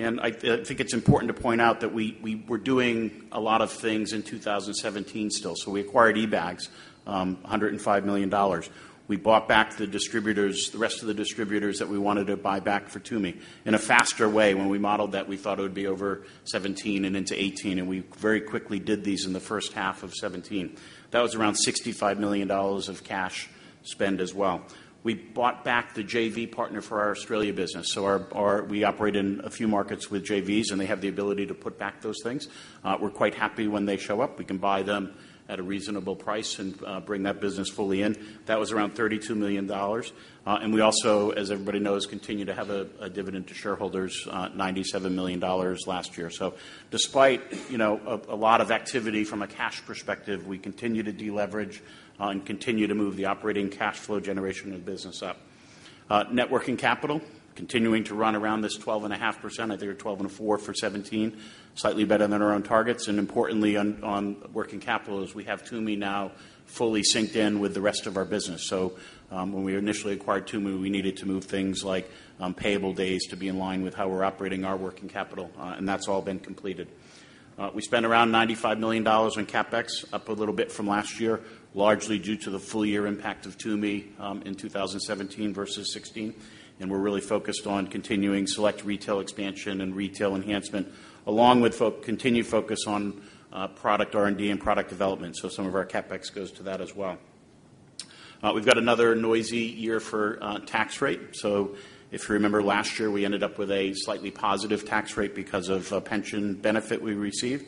D: I think it's important to point out that we're doing a lot of things in 2017 still. We acquired eBags, $105 million. We bought back the rest of the distributors that we wanted to buy back for Tumi in a faster way. When we modeled that, we thought it would be over 2017 and into 2018, and we very quickly did these in the first half of 2017. That was around $65 million of cash spend as well. We bought back the JV partner for our Australia business. We operate in a few markets with JVs, and they have the ability to put back those things. We're quite happy when they show up. We can buy them at a reasonable price and bring that business fully in. That was around $32 million. We also, as everybody knows, continue to have a dividend to shareholders, $97 million last year. Despite a lot of activity from a cash perspective, we continue to de-leverage and continue to move the operating cash flow generation of the business up. Net working capital, continuing to run around this 12.5%. I think it was 12.4% for 2017, slightly better than our own targets. Importantly on working capital is we have Tumi now fully synced in with the rest of our business. When we initially acquired Tumi, we needed to move things like payable days to be in line with how we're operating our working capital, and that's all been completed. We spent around $95 million on CapEx, up a little bit from last year, largely due to the full year impact of Tumi in 2017 versus 2016. We're really focused on continuing select retail expansion and retail enhancement, along with continued focus on product R&D and product development. Some of our CapEx goes to that as well. We've got another noisy year for tax rate. If you remember last year, we ended up with a slightly positive tax rate because of a pension benefit we received.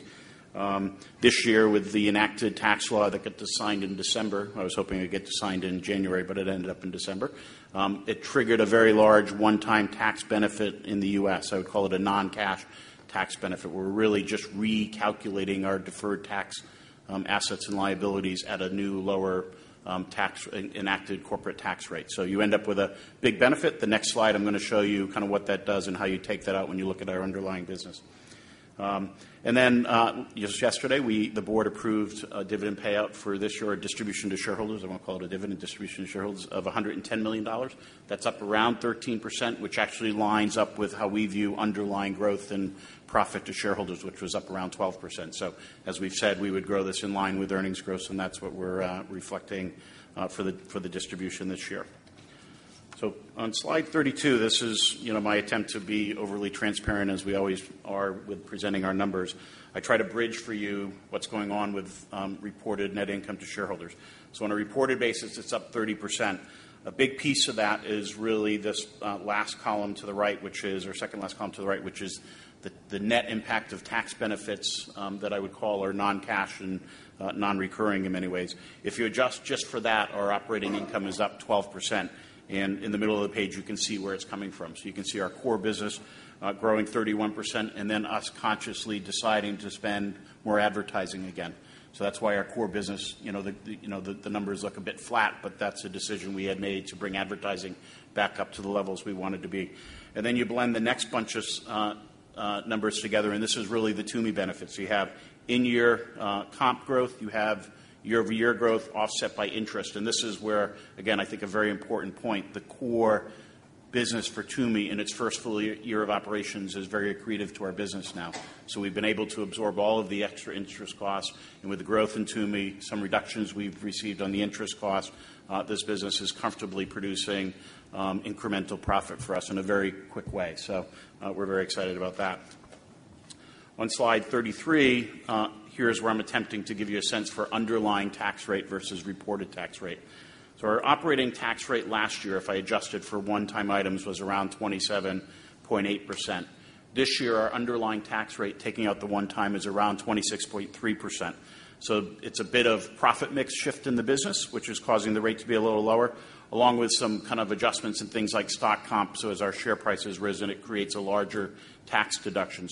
D: This year with the enacted tax law that got signed in December, I was hoping it'd get signed in January, but it ended up in December. It triggered a very large one-time tax benefit in the U.S. I would call it a non-cash tax benefit. We're really just recalculating our deferred tax assets and liabilities at a new, lower enacted corporate tax rate. You end up with a big benefit. The next slide I'm going to show you what that does and how you take that out when you look at our underlying business. Then just yesterday, the board approved a dividend payout for this year, a distribution to shareholders, I won't call it a dividend, distribution to shareholders of $110 million. That's up around 13%, which actually lines up with how we view underlying growth and profit to shareholders, which was up around 12%. As we've said, we would grow this in line with earnings growth, and that's what we're reflecting for the distribution this year. On slide 32, this is my attempt to be overly transparent, as we always are with presenting our numbers. I try to bridge for you what's going on with reported net income to shareholders. On a reported basis, it's up 30%. A big piece of that is really this last column to the right, or second last column to the right, which is the net impact of tax benefits that I would call are non-cash and non-recurring in many ways. If you adjust just for that, our operating income is up 12%. In the middle of the page, you can see where it's coming from. You can see our core business growing 31%, then us consciously deciding to spend more advertising again. that's why our core business, the numbers look a bit flat but that's a decision we had made to bring advertising back up to the levels we want it to be. You blend the next bunch of numbers together, and this is really the Tumi benefits. You have in-year comp growth. You have year-over-year growth offset by interest, and this is where, again, I think a very important point, the core business for Tumi in its first full year of operations is very accretive to our business now. We've been able to absorb all of the extra interest costs. With the growth in Tumi, some reductions we've received on the interest cost, this business is comfortably producing incremental profit for us in a very quick way. We're very excited about that. On slide 33, here is where I'm attempting to give you a sense for underlying tax rate versus reported tax rate. Our operating tax rate last year, if I adjust it for one-time items, was around 27.8%. This year, our underlying tax rate, taking out the one-time, is around 26.3%. It's a bit of profit mix shift in the business, which is causing the rate to be a little lower, along with some kind of adjustments in things like stock comp. As our share price has risen, it creates a larger tax deduction.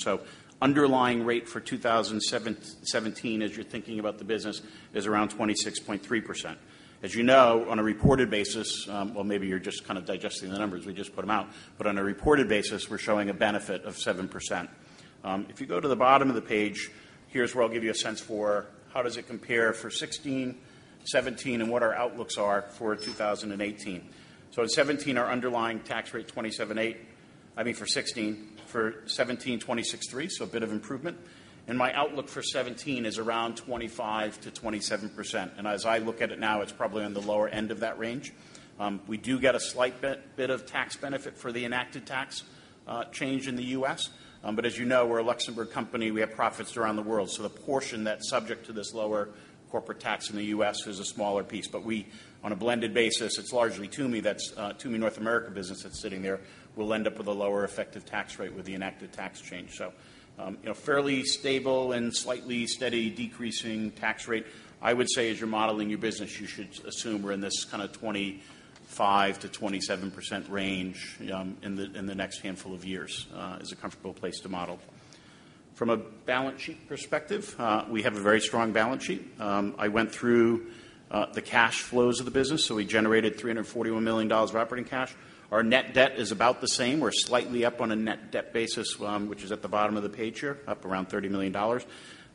D: Underlying rate for 2017, as you're thinking about the business, is around 26.3%. As you know, on a reported basis, well, maybe you're just kind of digesting the numbers, we just put them out, but on a reported basis, we're showing a benefit of 7%. If you go to the bottom of the page, here's where I'll give you a sense for how does it compare for 2016, 2017, and what our outlooks are for 2018. In 2017, our underlying tax rate 27.8%. I mean for 2016. For 2017, 26.3%, a bit of improvement. My outlook for 2018 is around 25%-27%. As I look at it now, it's probably on the lower end of that range. We do get a slight bit of tax benefit for the enacted tax change in the U.S. As you know, we're a Luxembourg company, we have profits around the world. The portion that's subject to this lower corporate tax in the U.S. is a smaller piece, but we, on a blended basis, it's largely Tumi, that's Tumi North America business that's sitting there. We'll end up with a lower effective tax rate with the enacted tax change. Fairly stable and slightly steady decreasing tax rate. I would say as you're modeling your business, you should assume we're in this kind of 25%-27% range in the next handful of years. It's a comfortable place to model. From a balance sheet perspective, we have a very strong balance sheet. I went through the cash flows of the business. We generated $341 million of operating cash. Our net debt is about the same. We're slightly up on a net debt basis, which is at the bottom of the page here, up around $30 million.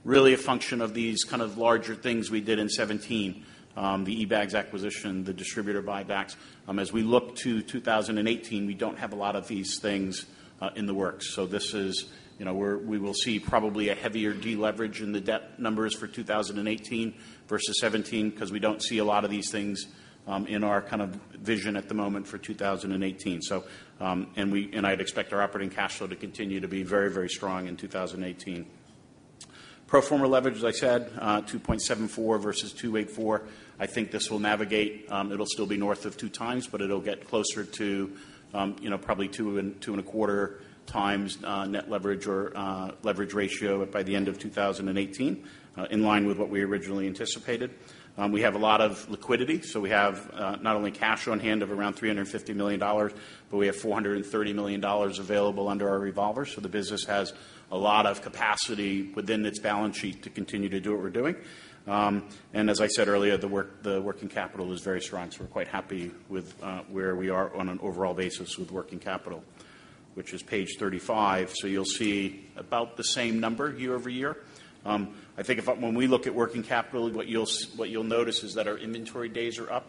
D: Really a function of these kind of larger things we did in 2017. The eBags acquisition, the distributor buybacks. As we look to 2018, we don't have a lot of these things in the works. We will see probably a heavier deleverage in the debt numbers for 2018 versus 2017 because we don't see a lot of these things in our vision at the moment for 2018. I'd expect our operating cash flow to continue to be very, very strong in 2018. Pro forma leverage, as I said, 2.74 versus 2.84. I think this will navigate, it'll still be north of two times, but it'll get closer to probably two and a quarter times net leverage or leverage ratio by the end of 2018, in line with what we originally anticipated. We have a lot of liquidity. We have not only cash on hand of around $350 million, but we have $430 million available under our revolver. The business has a lot of capacity within its balance sheet to continue to do what we're doing. As I said earlier, the working capital is very strong. We're quite happy with where we are on an overall basis with working capital, which is page 35. You'll see about the same number year-over-year. I think when we look at working capital, what you'll notice is that our inventory days are up,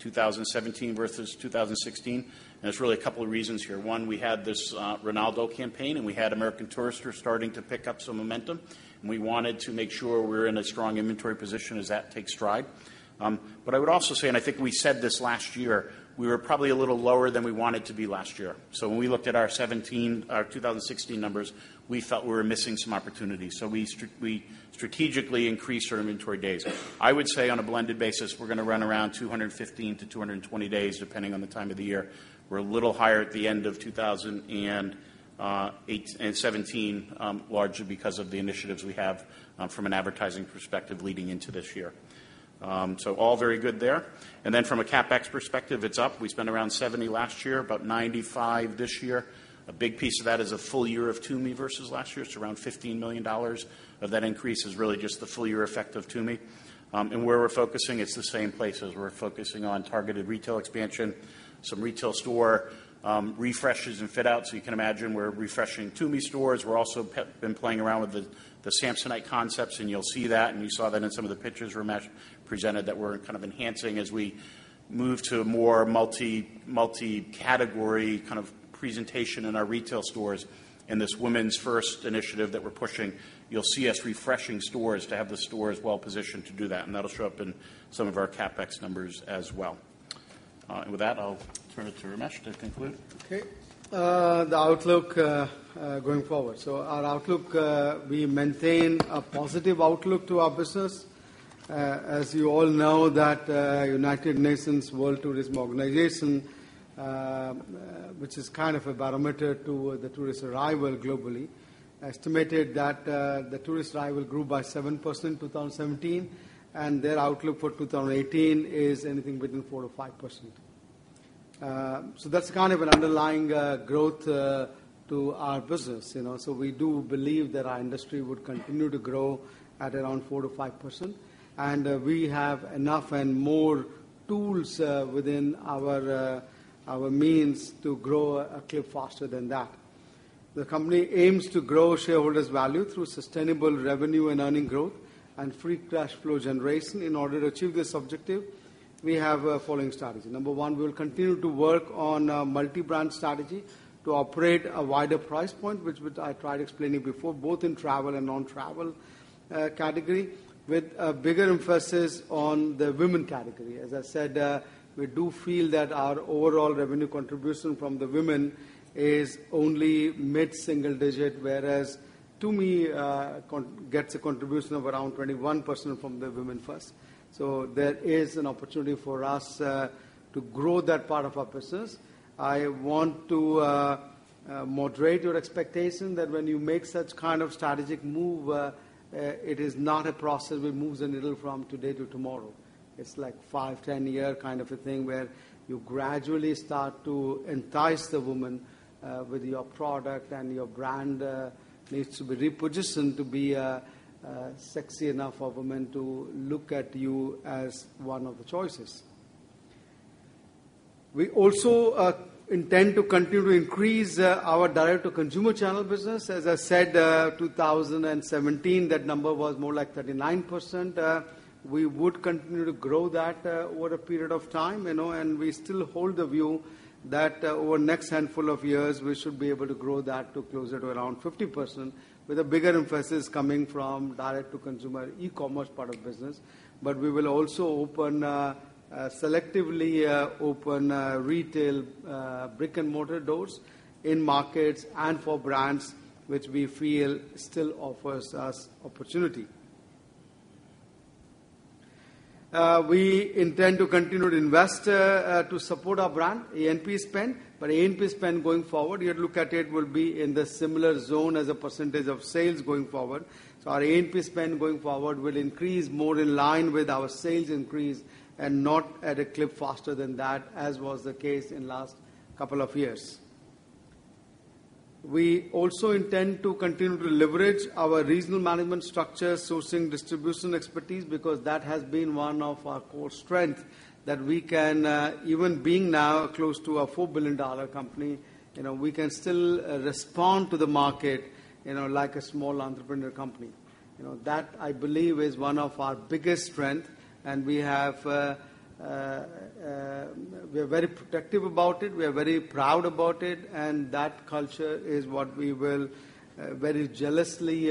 D: 2017 versus 2016, and there's really a couple of reasons here. One, we had this Ronaldo campaign, and we had American Tourister starting to pick up some momentum, and we wanted to make sure we were in a strong inventory position as that takes stride. I would also say, and I think we said this last year, we were probably a little lower than we wanted to be last year. When we looked at our 2016 numbers, we felt we were missing some opportunities. We strategically increased our inventory days. I would say on a blended basis, we're going to run around 215-220 days, depending on the time of the year. We're a little higher at the end of 2017, largely because of the initiatives we have from an advertising perspective leading into this year. All very good there. From a CapEx perspective, it's up. We spent around $70 last year, about $95 this year. A big piece of that is a full year of Tumi versus last year. It's around $15 million of that increase is really just the full year effect of Tumi. Where we're focusing, it's the same places. We're focusing on targeted retail expansion, some retail store refreshes and fit outs. You can imagine we're refreshing Tumi stores. We're also been playing around with the Samsonite concepts, and you'll see that, and you saw that in some of the pictures Ramesh presented, that we're kind of enhancing as we move to a more multi-category kind of presentation in our retail stores in this Women First initiative that we're pushing. You'll see us refreshing stores to have the stores well-positioned to do that, and that'll show up in some of our CapEx numbers as well. With that, I'll turn it to Ramesh to conclude.
C: Okay. The outlook going forward. Our outlook, we maintain a positive outlook to our business. As you all know that United Nations World Tourism Organization, which is kind of a barometer to the tourist arrival globally, estimated that the tourist arrival grew by 7% in 2017, and their outlook for 2018 is anything between 4%-5%. That's kind of an underlying growth to our business. We do believe that our industry would continue to grow at around 4%-5%, and we have enough and more tools within our means to grow a clip faster than that. The company aims to grow shareholders' value through sustainable revenue and earning growth and free cash flow generation. In order to achieve this objective, we have following strategy. Number one, we will continue to work on a multi-brand strategy to operate a wider price point, which I tried explaining before, both in travel and non-travel category, with a bigger emphasis on the women category. As I said, we do feel that our overall revenue contribution from the women is only mid-single digit, whereas Tumi gets a contribution of around 21% from the Women First. There is an opportunity for us to grow that part of our business. I want to moderate your expectation that when you make such kind of strategic move, it is not a process which moves the needle from today to tomorrow. It's like 5, 10-year kind of a thing, where you gradually start to entice the woman with your product, and your brand needs to be repositioned to be sexy enough for women to look at you as one of the choices. We also intend to continue to increase our direct-to-consumer channel business. As I said, 2017, that number was more like 39%. We would continue to grow that over a period of time. We still hold the view that over the next handful of years, we should be able to grow that to closer to around 50%, with a bigger emphasis coming from direct-to-consumer e-commerce part of business. We will also selectively open retail brick-and-mortar doors in markets and for brands which we feel still offers us opportunity. We intend to continue to invest to support our brand A&P spend. A&P spend going forward, you look at it, will be in the similar zone as a percentage of sales going forward. Our A&P spend going forward will increase more in line with our sales increase and not at a clip faster than that, as was the case in last couple of years. We also intend to continue to leverage our regional management structure, sourcing distribution expertise, because that has been one of our core strength that we can, even being now close to a $4 billion company, we can still respond to the market like a small entrepreneurial company. That, I believe, is one of our biggest strength, and we are very protective about it. We are very proud about it, and that culture is what we will very jealously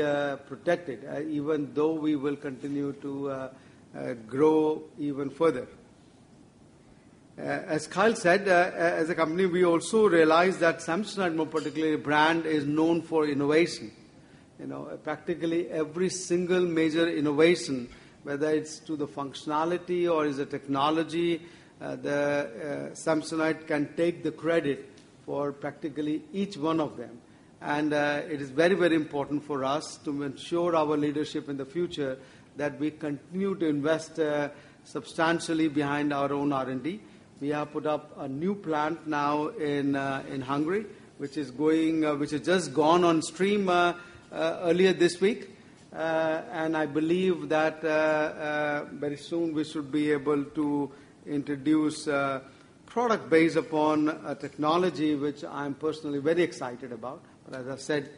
C: protect it, even though we will continue to grow even further. As Kyle said, as a company, we also realize that Samsonite, more particularly the brand, is known for innovation. Practically every single major innovation, whether it's to the functionality or as a technology, Samsonite can take the credit for practically each one of them. It is very, very important for us to ensure our leadership in the future that we continue to invest substantially behind our own R&D. We have put up a new plant now in Hungary, which has just gone on stream earlier this week. I believe that very soon we should be able to introduce a product based upon a technology which I'm personally very excited about. As I've said,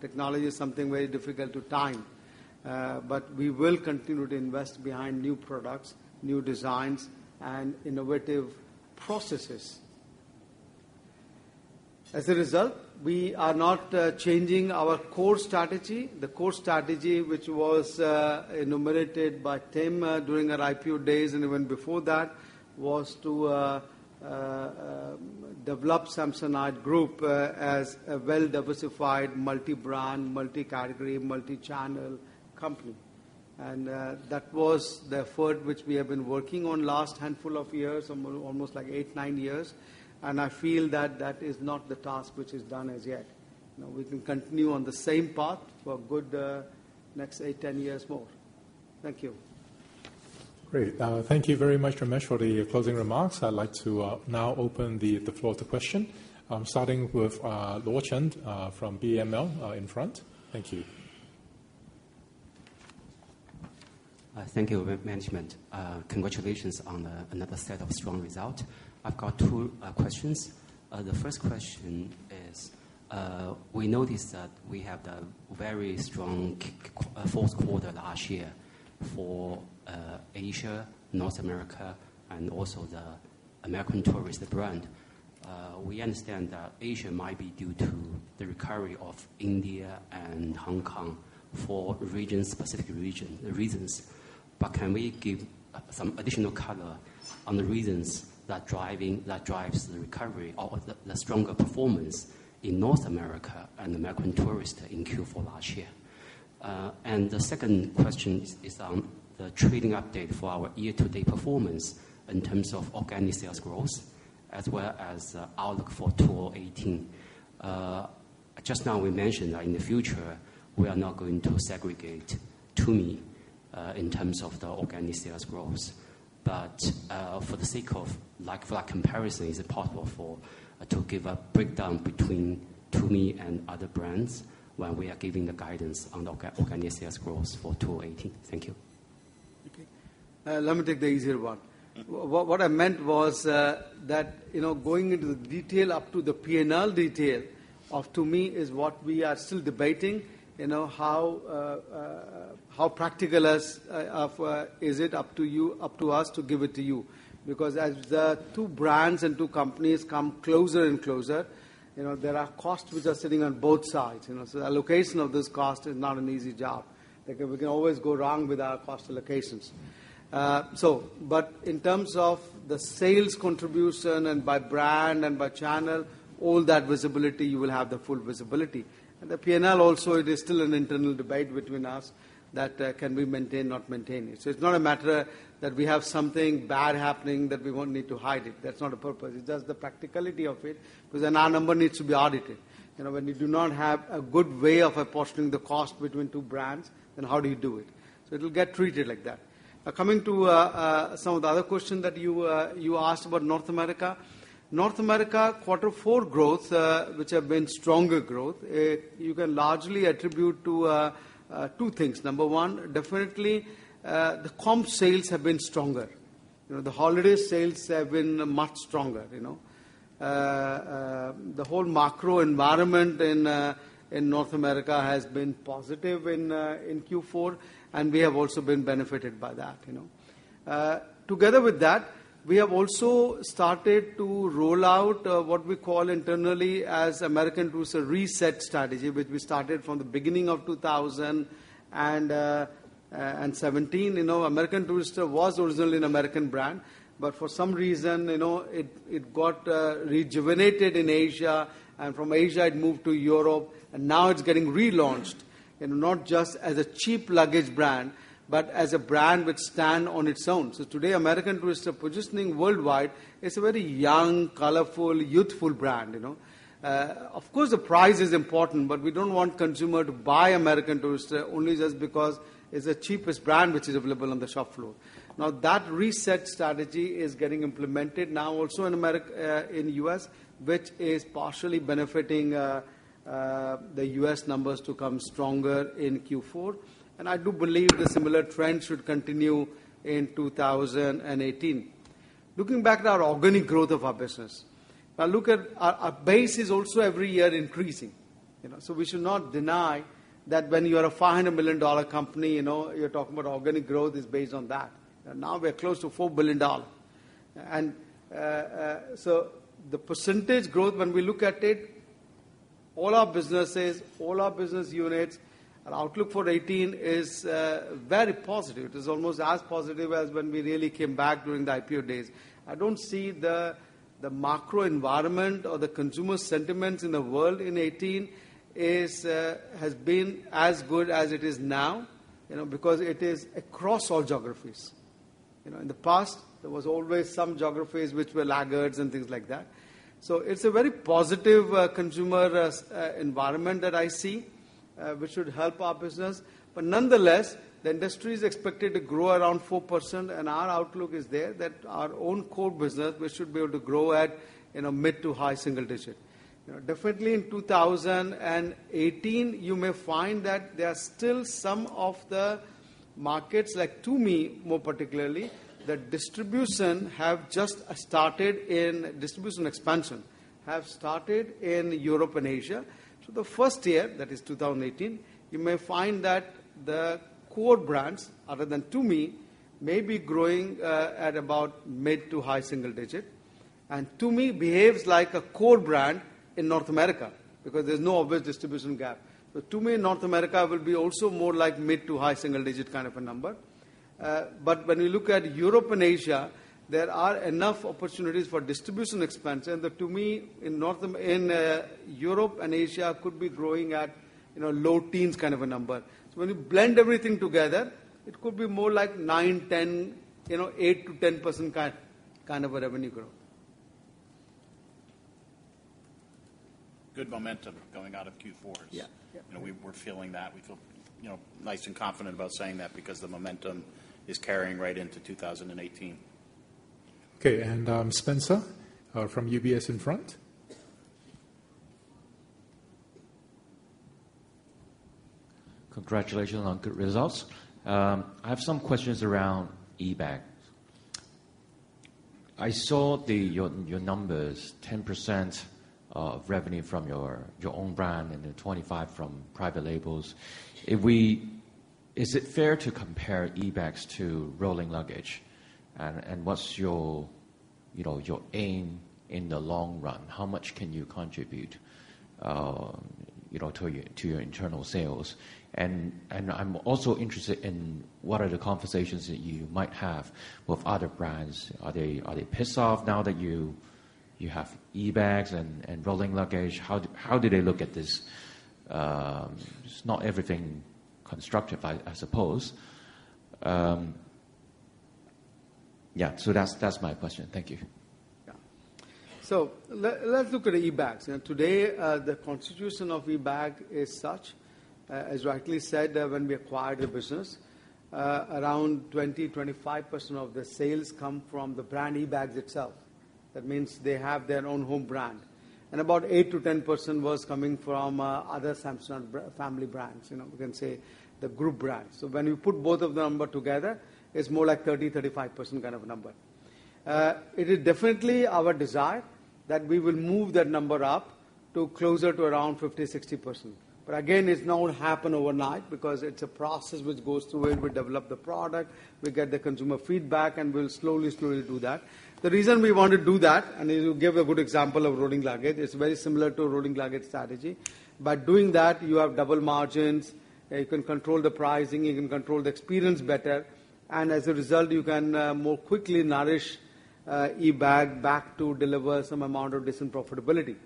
C: technology is something very difficult to time. We will continue to invest behind new products, new designs, and innovative processes. As a result, we are not changing our core strategy. The core strategy which was enumerated by Tim during our IPO days and even before that, was to develop Samsonite Group as a well-diversified, multi-brand, multi-category, multi-channel company. That was the effort which we have been working on last handful of years, almost like eight, nine years, and I feel that that is not the task which is done as yet. We can continue on the same path for a good next eight, 10 years more. Thank you.
A: Great. Thank you very much, Ramesh, for the closing remarks. I'd like to now open the floor to question, starting with Lou Chen from BAML, in front. Thank you.
E: Thank you. Management, congratulations on another set of strong result. I've got two questions. The first question is, we noticed that we have the very strong fourth quarter last year for Asia, North America, and also the American Tourister brand. We understand that Asia might be due to the recovery of India and Hong Kong for specific reasons. Can we give some additional color on the reasons that drives the recovery or the stronger performance in North America and American Tourister in Q4 last year? The second question is on the trading update for our year-to-date performance in terms of organic sales growth as well as outlook for 2018. Just now we mentioned that in the future, we are not going to segregate Tumi in terms of the organic sales growth. For the sake of comparison, is it possible to give a breakdown between Tumi and other brands when we are giving the guidance on organic sales growth for 2018? Thank you.
C: Okay. Let me take the easier one. What I meant was, that going into the detail, up to the P&L detail, up to me, is what we are still debating. How practical is it up to us to give it to you? Because as the two brands and two companies come closer and closer, there are costs which are sitting on both sides. The allocation of this cost is not an easy job. We can always go wrong with our cost allocations. In terms of the sales contribution, and by brand and by channel, all that visibility, you will have the full visibility. The P&L also, it is still an internal debate between us that, can we maintain, not maintain it? It's not a matter that we have something bad happening, that we won't need to hide it. That's not the purpose. It's just the practicality of it, because then our number needs to be audited. When you do not have a good way of apportioning the cost between two brands, then how do you do it? It will get treated like that. Coming to some of the other question that you asked about North America. North America Quarter Four growth, which have been stronger growth, you can largely attribute to two things. Number one, definitely, the comp sales have been stronger. The holiday sales have been much stronger. The whole macro environment in North America has been positive in Q4, and we have also been benefited by that. Together with that, we have also started to roll out, what we call internally as American Tourister reset strategy, which we started from the beginning of 2017. American Tourister was originally an American brand, but for some reason, it got rejuvenated in Asia, and from Asia, it moved to Europe, and now it's getting relaunched, and not just as a cheap luggage brand, but as a brand which stand on its own. Today, American Tourister positioning worldwide, it's a very young, colorful, youthful brand. Of course, the price is important, but we don't want consumer to buy American Tourister only just because it's the cheapest brand which is available on the shop floor. That reset strategy is getting implemented now also in U.S., which is partially benefiting the U.S. numbers to come stronger in Q4. I do believe the similar trend should continue in 2018. Looking back at our organic growth of our business. Look at our base is also every year increasing. We should not deny that when you are a $500 million company, you're talking about organic growth is based on that. Now we're close to $4 billion. The percentage growth, when we look at it, all our businesses, all our business units, our outlook for 2018 is very positive. It is almost as positive as when we really came back during the IPO days. I don't see the macro environment or the consumer sentiments in the world in 2018 has been as good as it is now. Because it is across all geographies. In the past, there was always some geographies which were laggards and things like that. It's a very positive consumer environment that I see, which should help our business. Nonetheless, the industry is expected to grow around 4%, and our outlook is there, that our own core business, we should be able to grow at mid to high single digit. Definitely in 2018, you may find that there are still some of the markets, like Tumi, more particularly, the distribution expansion have started in Europe and Asia. The first year, that is 2018, you may find that the core brands other than Tumi, may be growing at about mid to high single digit. Tumi behaves like a core brand in North America, because there's no obvious distribution gap. Tumi in North America will be also more like mid to high single digit kind of a number. When we look at Europe and Asia, there are enough opportunities for distribution expansion, that Tumi in Europe and Asia could be growing at low teens kind of a number. When you blend everything together, it could be more like nine, 10, 8%-10% kind of a revenue growth.
D: Good momentum coming out of Q4.
C: Yeah.
D: We're feeling that. We feel nice and confident about saying that because the momentum is carrying right into 2018.
A: Okay. Spencer from UBS in front.
F: Congratulations on good results. I have some questions around eBags. I saw your numbers, 10% of revenue from your own brand and then 25% from private labels. Is it fair to compare eBags to Rolling Luggage? What's your aim in the long run? How much can you contribute to your internal sales? I'm also interested in what are the conversations that you might have with other brands. Are they pissed off now that you have eBags and Rolling Luggage? How do they look at this? (Just not everything constructive), I suppose. Yeah. That's my question. Thank you.
C: Yeah. Let's look at eBags. Today, the constitution of eBags is such, as rightly said, when we acquired the business, around 20%, 25% of the sales come from the brand eBags itself. That means they have their own home brand. About 8%-10% was coming from other Samsonite family brands, you can say the group brands. When you put both of the numbers together, it's more like 30%, 35% kind of a number. It is definitely our desire that we will move that number up to closer to around 50%, 60%. Again, it's not happen overnight because it's a process which goes through where we develop the product, we get the consumer feedback, and we'll slowly do that. The reason we want to do that, and you give a good example of Rolling Luggage, it's very similar to Rolling Luggage strategy. By doing that, you have double margins, you can control the pricing, you can control the experience better, and as a result, you can more quickly nourish eBags back to deliver some amount of decent profitability.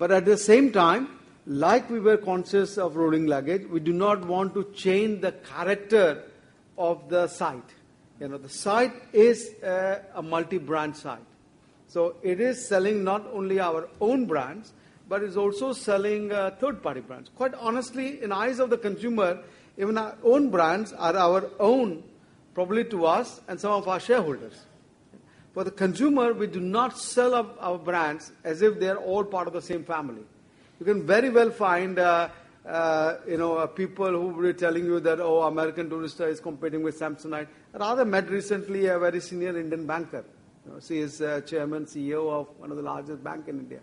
C: At the same time, like we were conscious of Rolling Luggage, we do not want to change the character of the site. The site is a multi-brand site. It is selling not only our own brands, but it's also selling third-party brands. Quite honestly, in eyes of the consumer, even our own brands are our own probably to us and some of our shareholders. For the consumer, we do not sell our brands as if they're all part of the same family. You can very well find people who will be telling you that, "Oh, American Tourister is competing with Samsonite." Rather, I recently met a very senior Indian banker. She is Chairman, CEO of one of the largest bank in India.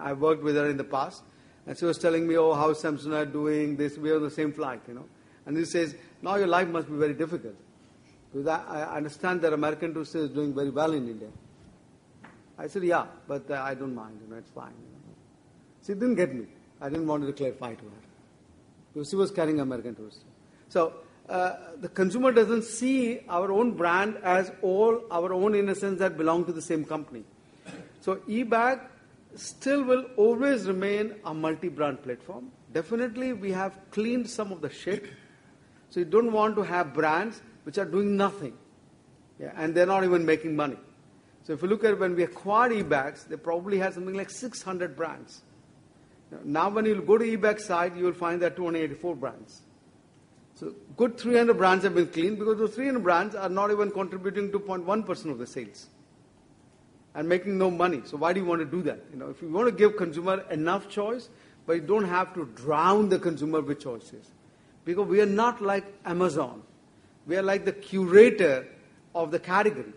C: I worked with her in the past, and she was telling me, "Oh, how Samsonite doing?" This, we are on the same flight. She says, "Now your life must be very difficult because I understand that American Tourister is doing very well in India." I said, "Yeah, but I don't mind. It's fine." She didn't get me. I didn't want to clarify to her because she was carrying American Tourister. The consumer doesn't see our own brand as all our own in a sense that belong to the same company. eBags still will always remain a multi-brand platform. Definitely, we have cleaned some of the shit. You don't want to have brands which are doing nothing. Yeah. They're not even making money. If you look at when we acquired eBags, they probably had something like 600 brands. Now, when you go to eBags' site, you'll find there are 284 brands. Good 300 brands have been cleaned because those 300 brands are not even contributing to 0.1% of the sales and making no money. Why do you want to do that? If you want to give consumer enough choice, but you don't have to drown the consumer with choices. Because we are not like Amazon. We are like the curator of the category.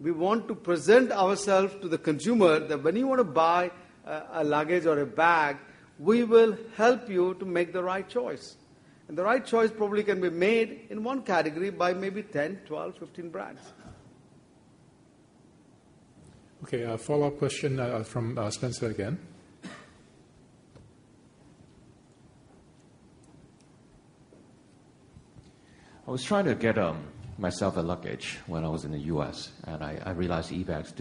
C: We want to present ourselves to the consumer that when you want to buy a luggage or a bag, we will help you to make the right choice. The right choice probably can be made in one category by maybe 10, 12, 15 brands.
A: Okay. A follow-up question from Spencer again.
F: I was trying to get myself a luggage when I was in the U.S., I realized eBags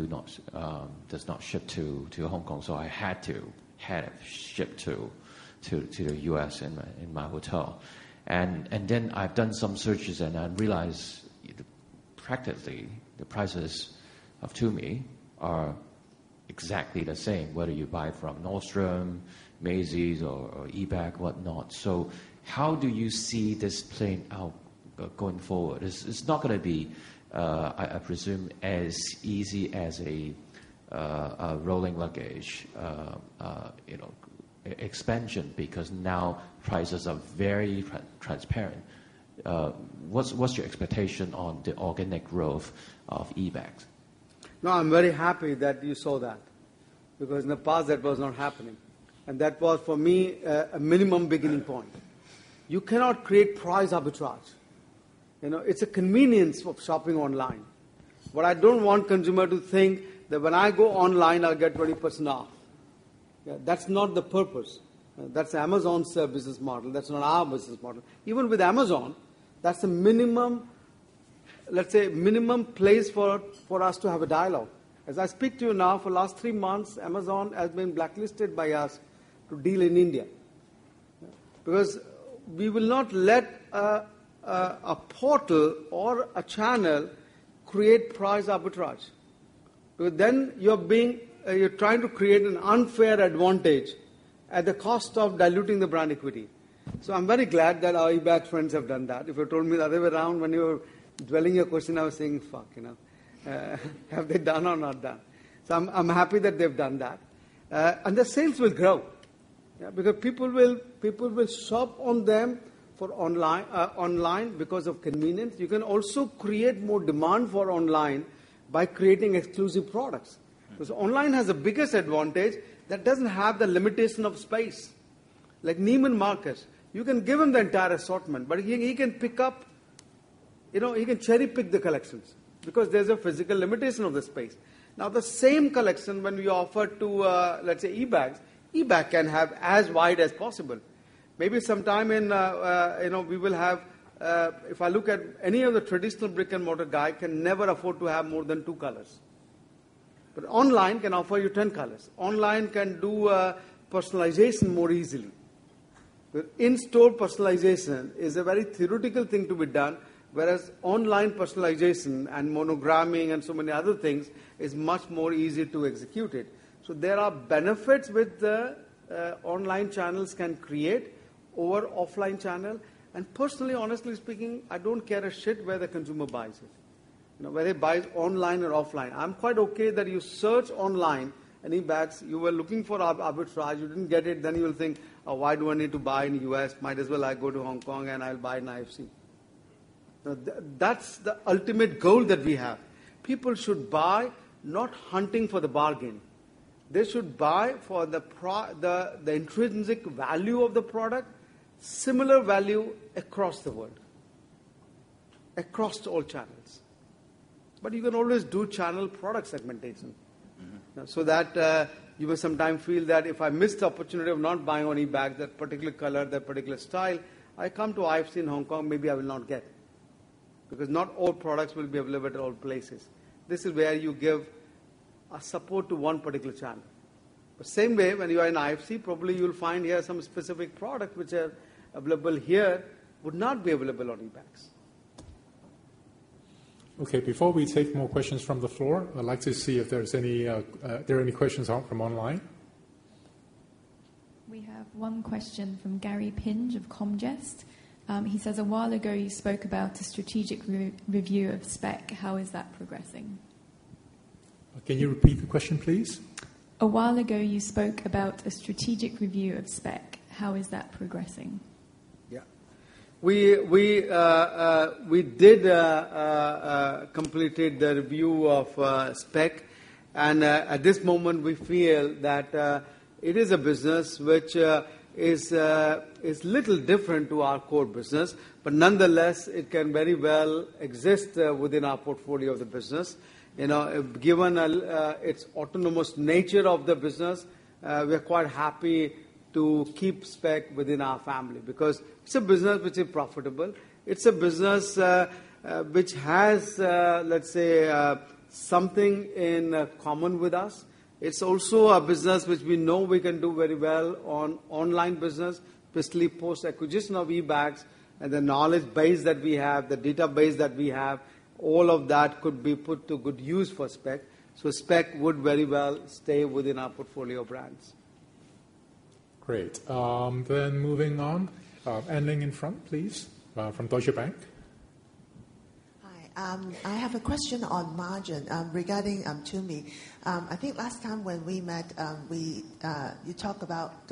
F: does not ship to Hong Kong, I had to have it shipped to the U.S. in my hotel. Then I've done some searches, I realize practically, the prices of Tumi are exactly the same, whether you buy from Nordstrom, Macy's or eBags, whatnot. How do you see this playing out going forward? It's not going to be, I presume, as easy as a rolling luggage expansion because now prices are very transparent. What's your expectation on the organic growth of eBags?
C: I'm very happy that you saw that, because in the past, that was not happening. That was, for me, a minimum beginning point. You cannot create price arbitrage. It's a convenience of shopping online. What I don't want consumer to think that when I go online, I'll get 20% off. That's not the purpose. That's Amazon's business model. That's not our business model. Even with Amazon, that's a minimum place for us to have a dialogue. As I speak to you now, for last 3 months, Amazon has been blacklisted by us to deal in India. We will not let a portal or a channel create price arbitrage. Then you're trying to create an unfair advantage at the cost of diluting the brand equity. I'm very glad that our eBags friends have done that. If you told me the other way around when you were dwelling your question, I was saying, "Fuck." Have they done or not done? I'm happy that they've done that. The sales will grow. People will shop on them for online because of convenience. You can also create more demand for online by creating exclusive products.
F: Right.
C: Online has the biggest advantage that doesn't have the limitation of space. Like Neiman Marcus, you can give him the entire assortment, but he can cherry-pick the collections because there's a physical limitation of the space. Now, the same collection when we offer to, let's say, eBags can have as wide as possible. Maybe sometime, if I look at any other traditional brick-and-mortar guy can never afford to have more than 2 colors. Online can offer you 10 colors. Online can do personalization more easily. In-store personalization is a very theoretical thing to be done, whereas online personalization and monogramming and so many other things is much more easier to execute it. There are benefits with the online channels can create over offline channel. Personally, honestly speaking, I don't care a shit where the consumer buys it. Whether he buys online or offline. I'm quite okay that you search online, on eBags, you were looking for arbitrage, you didn't get it, then you will think, "Oh, why do I need to buy in the U.S.? Might as well I go to Hong Kong and I'll buy in IFC." That's the ultimate goal that we have. People should buy not hunting for the bargain. They should buy for the intrinsic value of the product, similar value across the world, across all channels. You can always do channel product segmentation. That you will sometimes feel that if I miss the opportunity of not buying on eBags that particular color, that particular style, I come to IFC in Hong Kong, maybe I will not get. Because not all products will be available at all places. This is where you give a support to one particular channel. The same way, when you are in IFC, probably you'll find here some specific product which are available here would not be available on eBags.
A: Okay, before we take more questions from the floor, I'd like to see if there are any questions from online.
G: We have one question from Gary Pinge of Comgest. He says, "A while ago, you spoke about a strategic review of Speck. How is that progressing?
A: Can you repeat the question, please?
G: A while ago, you spoke about a strategic review of Speck. How is that progressing?
C: Yeah. We did completed the review of Speck, and at this moment, we feel that it is a business which is little different to our core business, but nonetheless, it can very well exist within our portfolio of the business. Given its autonomous nature of the business, we are quite happy to keep Speck within our family, because it's a business which is profitable. It's a business which has, let's say, something in common with us. It's also a business which we know we can do very well on online business, especially post acquisition of eBags and the knowledge base that we have, the database that we have, all of that could be put to good use for Speck. Speck would very well stay within our portfolio brands.
A: Great. Moving on, Anne Ling in front, please, from Deutsche Bank.
H: Hi. I have a question on margin regarding Tumi. I think last time when we met, you talked about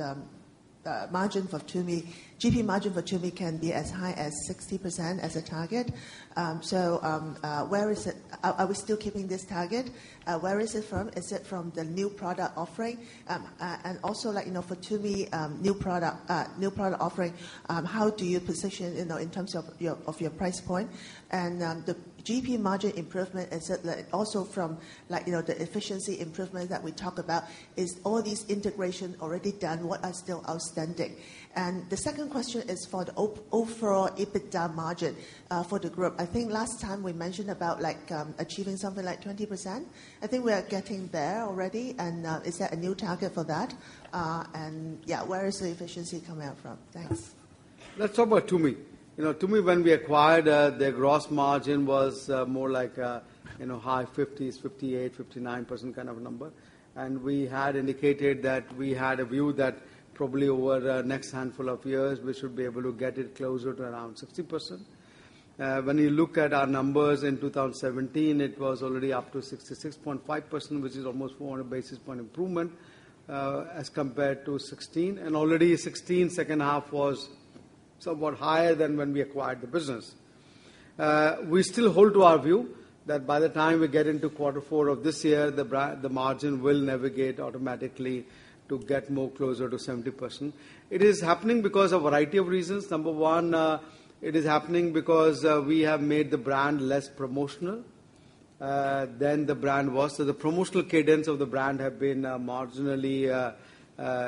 H: margin for Tumi, GP margin for Tumi can be as high as 60% as a target. Where is it? Are we still keeping this target? Where is it from? Is it from the new product offering? Also for Tumi, new product offering, how do you position in terms of your price point? The GP margin improvement, also from the efficiency improvement that we talk about, is all these integration already done? What are still outstanding? The second question is for the overall EBITDA margin for the group. I think last time we mentioned about achieving something like 20%. I think we are getting there already. Is there a new target for that? Yeah, where is the efficiency coming out from? Thanks.
C: Let's talk about Tumi. Tumi, when we acquired, their gross margin was more like high 50s, 58%, 59% kind of a number. We had indicated that we had a view that probably over the next handful of years, we should be able to get it closer to around 60%. When you look at our numbers in 2017, it was already up to 66.5%, which is almost 400 basis point improvement, as compared to 2016. Already 2016 second half was somewhat higher than when we acquired the business. We still hold to our view that by the time we get into quarter four of this year, the margin will navigate automatically to get more closer to 70%. It is happening because of variety of reasons. Number one, it is happening because we have made the brand less promotional than the brand was. The promotional cadence of the brand have been marginally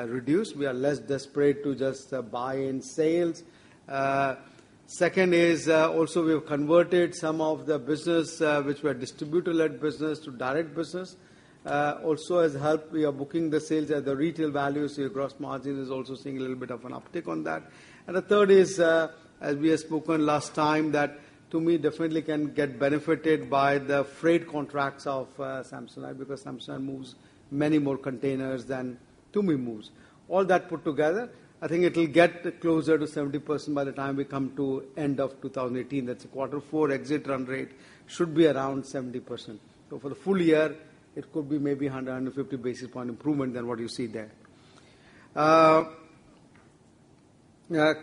C: reduced. We are less desperate to just buy in sales. Second is also we have converted some of the business which were distributor-led business to direct business. Also has helped, we are booking the sales at the retail value, so your gross margin is also seeing a little bit of an uptick on that. The third is, as we have spoken last time, that Tumi definitely can get benefited by the freight contracts of Samsonite, because Samsonite moves many more containers than Tumi moves. All that put together, I think it will get closer to 70% by the time we come to end of 2018. That's quarter four exit run rate should be around 70%. For the full year, it could be maybe 100, 150 basis point improvement than what you see there.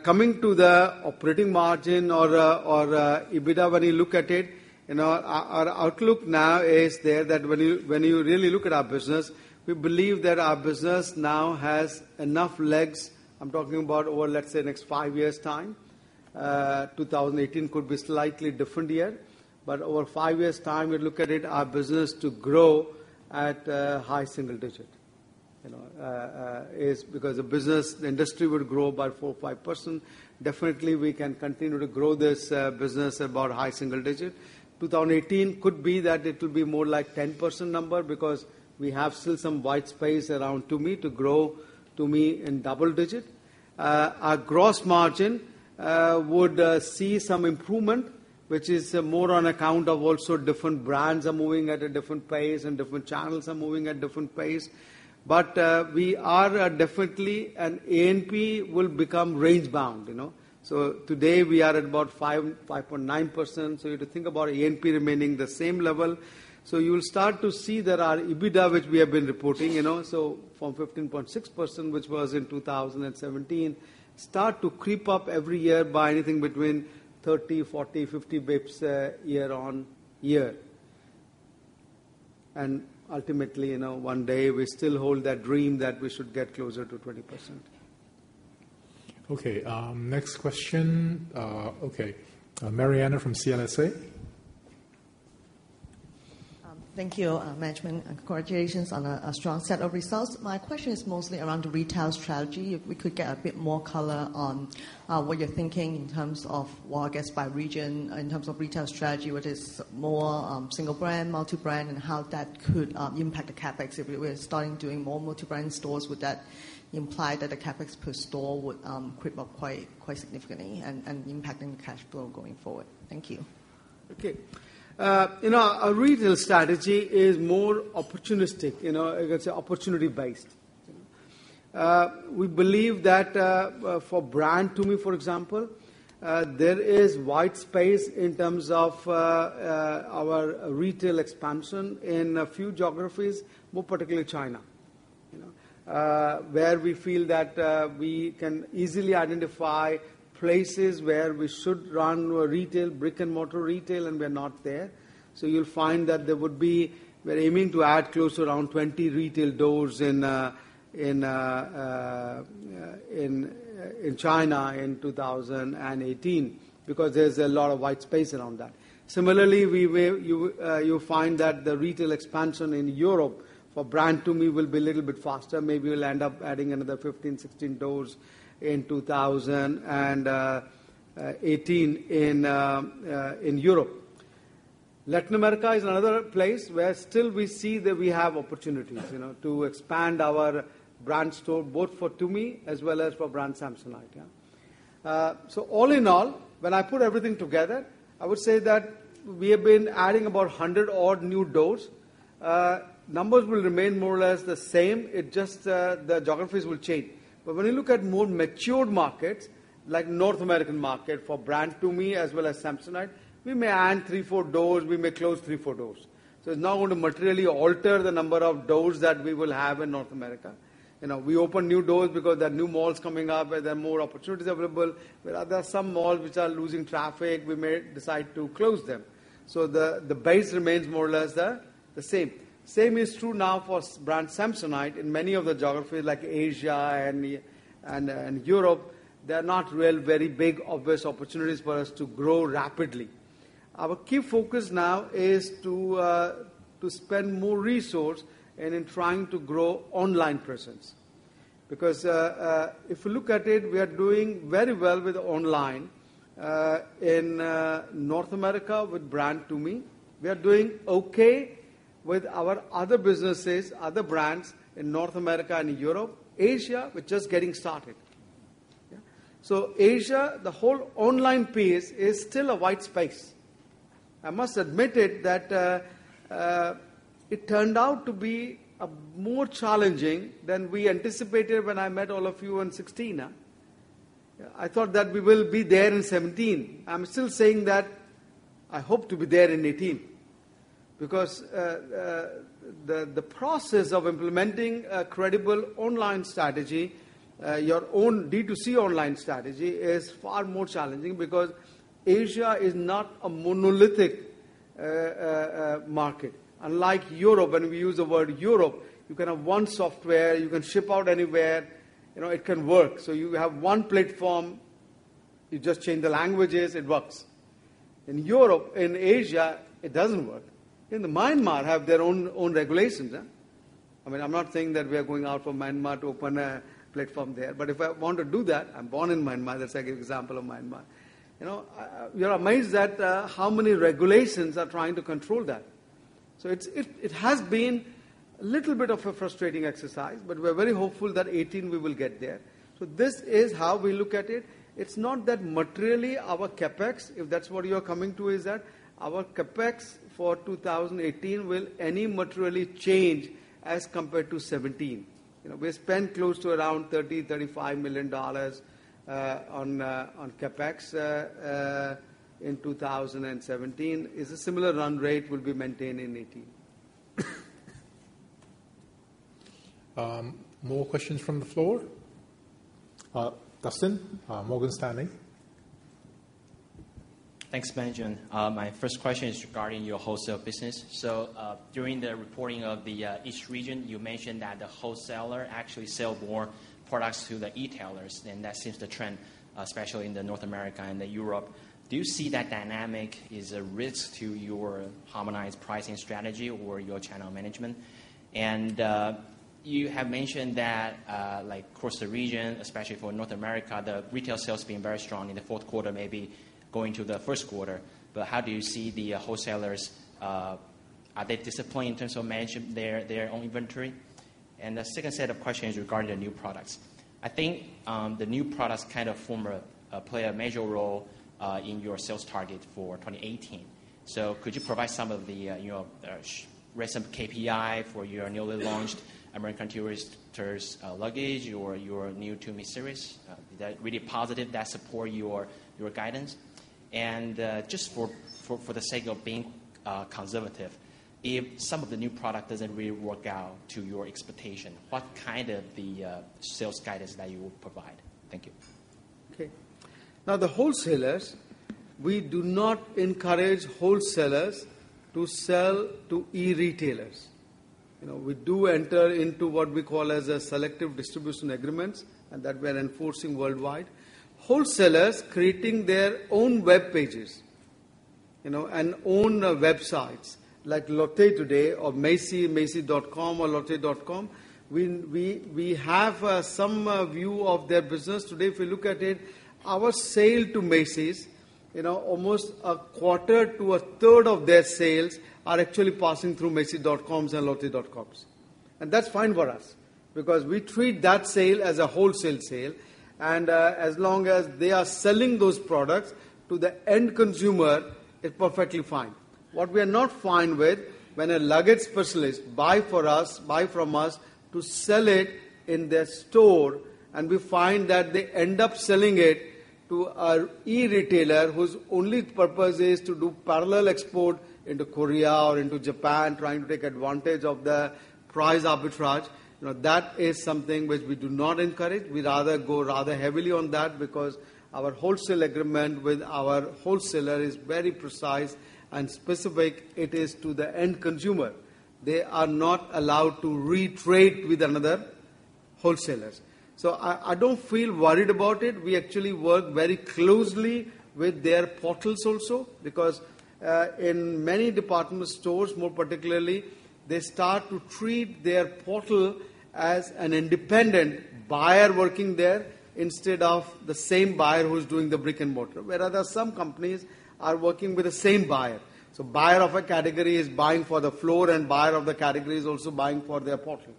C: Coming to the operating margin or EBITDA, when you look at it, our outlook now is there that when you really look at our business, we believe that our business now has enough legs, I'm talking about over, let's say, next five years' time. 2018 could be slightly different year. Over five years' time, we look at it, our business to grow at high single digit. The industry will grow by 4%, 5%. Definitely, we can continue to grow this business about high single digit. 2018 could be that it will be more like 10% number because we have still some white space around Tumi to grow Tumi in double digit. Our gross margin would see some improvement which is more on account of also different brands are moving at a different pace and different channels are moving at different pace. We are definitely, and A&P will become range-bound. Today, we are at about 5.9%. If you think about A&P remaining the same level, you'll start to see there are EBITDA, which we have been reporting, from 15.6%, which was in 2017, start to creep up every year by anything between 30, 40, 50 basis points year on year. Ultimately, one day we still hold that dream that we should get closer to 20%.
A: Next question. Mariana from CLSA.
I: Thank you, management, and congratulations on a strong set of results. My question is mostly around the retail strategy. If we could get a bit more color on what you're thinking in terms of, well, I guess by region, in terms of retail strategy, whether it's more single brand, multi-brand, and how that could impact the CapEx. If we're starting doing more multi-brand stores, would that imply that the CapEx per store would creep up quite significantly and impact in the cash flow going forward? Thank you.
C: Retail strategy is more opportunistic. You can say opportunity based. We believe that, for brand Tumi, for example, there is wide space in terms of our retail expansion in a few geographies, more particularly China, where we feel that we can easily identify places where we should run a retail, brick-and-mortar retail, and we're not there. You'll find that We're aiming to add close to around 20 retail doors in China in 2018, because there's a lot of wide space around that. Similarly, you'll find that the retail expansion in Europe for brand Tumi will be a little bit faster. Maybe we'll end up adding another 15, 16 doors in 2018 in Europe. Latin America is another place where still we see that we have opportunities to expand our brand store, both for Tumi as well as for brand Samsonite. All in all, when I put everything together, I would say that we have been adding about 100 odd new doors. Numbers will remain more or less the same, it just the geographies will change. When you look at more matured markets, like North American market for brand Tumi as well as Samsonite, we may add three, four doors, we may close three, four doors. It's not going to materially alter the number of doors that we will have in North America. We open new doors because there are new malls coming up, there are more opportunities available. Where there are some malls which are losing traffic, we may decide to close them. The base remains more or less the same. Same is true now for brand Samsonite in many of the geographies like Asia and Europe, there are not real very big obvious opportunities for us to grow rapidly. Our key focus now is to spend more resource and in trying to grow online presence. If you look at it, we are doing very well with online, in North America with brand Tumi. We are doing okay with our other businesses, other brands in North America and Europe. Asia, we're just getting started. Asia, the whole online piece is still a wide space. I must admit it, that it turned out to be more challenging than we anticipated when I met all of you in 2016. I thought that we will be there in 2017. I'm still saying that I hope to be there in 2018. The process of implementing a credible online strategy, your own D2C online strategy is far more challenging because Asia is not a monolithic market. Unlike Europe, when we use the word Europe, you can have one software, you can ship out anywhere, it can work. You have one platform, you just change the languages, it works. In Asia, it doesn't work. In Myanmar, have their own regulations. I'm not saying that we are going out for Myanmar to open a platform there, but if I want to do that, I'm born in Myanmar, that's why I give example of Myanmar. You're amazed at how many regulations are trying to control that. It has been a little bit of a frustrating exercise, but we're very hopeful that 2018 we will get there. This is how we look at it. It's not that materially our CapEx, if that's what you're coming to, is that our CapEx for 2018 will any materially change as compared to 2017. We spent close to around $30 million-$35 million on CapEx in 2017. Is a similar run rate will be maintained in 2018.
A: More questions from the floor? Dustin, Morgan Stanley.
J: Thanks, Mariana. My first question is regarding your wholesale business. During the reporting of the each region, you mentioned that the wholesaler actually sell more products to the e-tailers, and that seems the trend, especially in North America and Europe. Do you see that dynamic is a risk to your harmonized pricing strategy or your channel management? You have mentioned that, like across the region, especially for North America, the retail sales being very strong in the fourth quarter, maybe going to the first quarter, but how do you see the wholesalers? Are they disappointed in terms of managing their own inventory? The second set of questions regarding the new products. I think the new products kind of play a major role in your sales target for 2018. Could you provide some of the recent KPI for your newly launched American Tourister luggage or your new Tumi series? Is that really positive that support your guidance? Just for the sake of being conservative, if some of the new product doesn't really work out to your expectation, what kind of the sales guidance that you would provide? Thank you.
C: Okay. Now the wholesalers, we do not encourage wholesalers to sell to e-retailers. We do enter into what we call as a selective distribution agreements, and that we are enforcing worldwide. Wholesalers creating their own web pages, and own websites like Lotte today or Macy's, macys.com or lotte.com. We have some view of their business today. If you look at it, our sale to Macy's, almost a quarter to a third of their sales are actually passing through macys.com. That's fine for us because we treat that sale as a wholesale sale, and as long as they are selling those products to the end consumer, it perfectly fine. What we are not fine with, when a luggage specialist buy from us to sell it in their store, and we find that they end up selling it to an e-retailer whose only purpose is to do parallel export into Korea or into Japan trying to take advantage of the price arbitrage. That is something which we do not encourage. We rather go rather heavily on that because our wholesale agreement with our wholesaler is very precise and specific. It is to the end consumer. They are not allowed to retrade with another wholesaler. I don't feel worried about it. We actually work very closely with their portals also because, in many department stores, more particularly, they start to treat their portal as an independent buyer working there instead of the same buyer who's doing the brick and mortar. Where there are some companies are working with the same buyer. Buyer of a category is buying for the floor, and buyer of the category is also buying for their portal.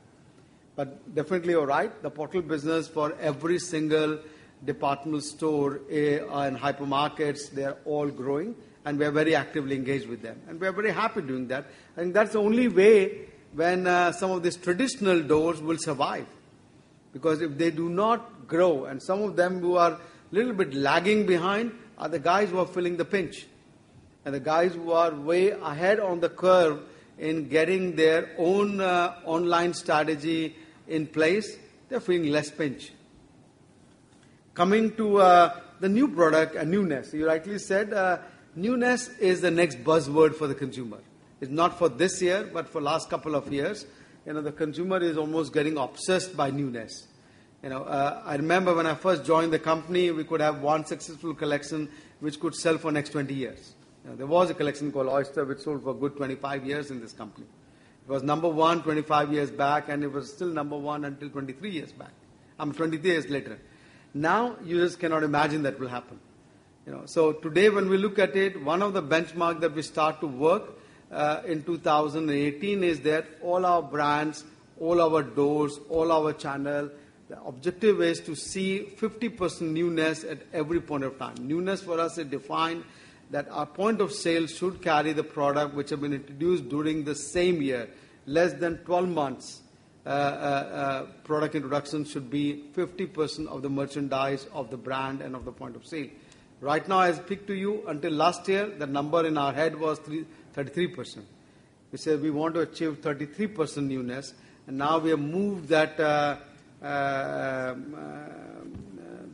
C: Definitely you're right. The portal business for every single departmental store and hypermarkets, they're all growing, and we are very actively engaged with them, and we are very happy doing that. That's the only way when some of these traditional doors will survive. If they do not grow, and some of them who are little bit lagging behind are the guys who are feeling the pinch, and the guys who are way ahead on the curve in getting their own online strategy in place, they're feeling less pinch. Coming to the new product and newness, you rightly said, newness is the next buzzword for the consumer. It's not for this year, but for last couple of years. The consumer is almost getting obsessed by newness. I remember when I first joined the company, we could have one successful collection which could sell for next 20 years. There was a collection called Oyster, which sold for a good 25 years in this company. It was number 1 25 years back, and it was still number 1 until 23 years later. Now, you just cannot imagine that will happen. Today, when we look at it, one of the benchmark that we start to work, in 2018, is that all our brands, all our doors, all our channel, the objective is to see 50% newness at every point of time. Newness for us is defined that our point of sale should carry the product which have been introduced during the same year. Less than 12 months product introduction should be 50% of the merchandise of the brand and of the point of sale. Right now, I speak to you, until last year, the number in our head was 33%. We said we want to achieve 33% newness, and now we have moved that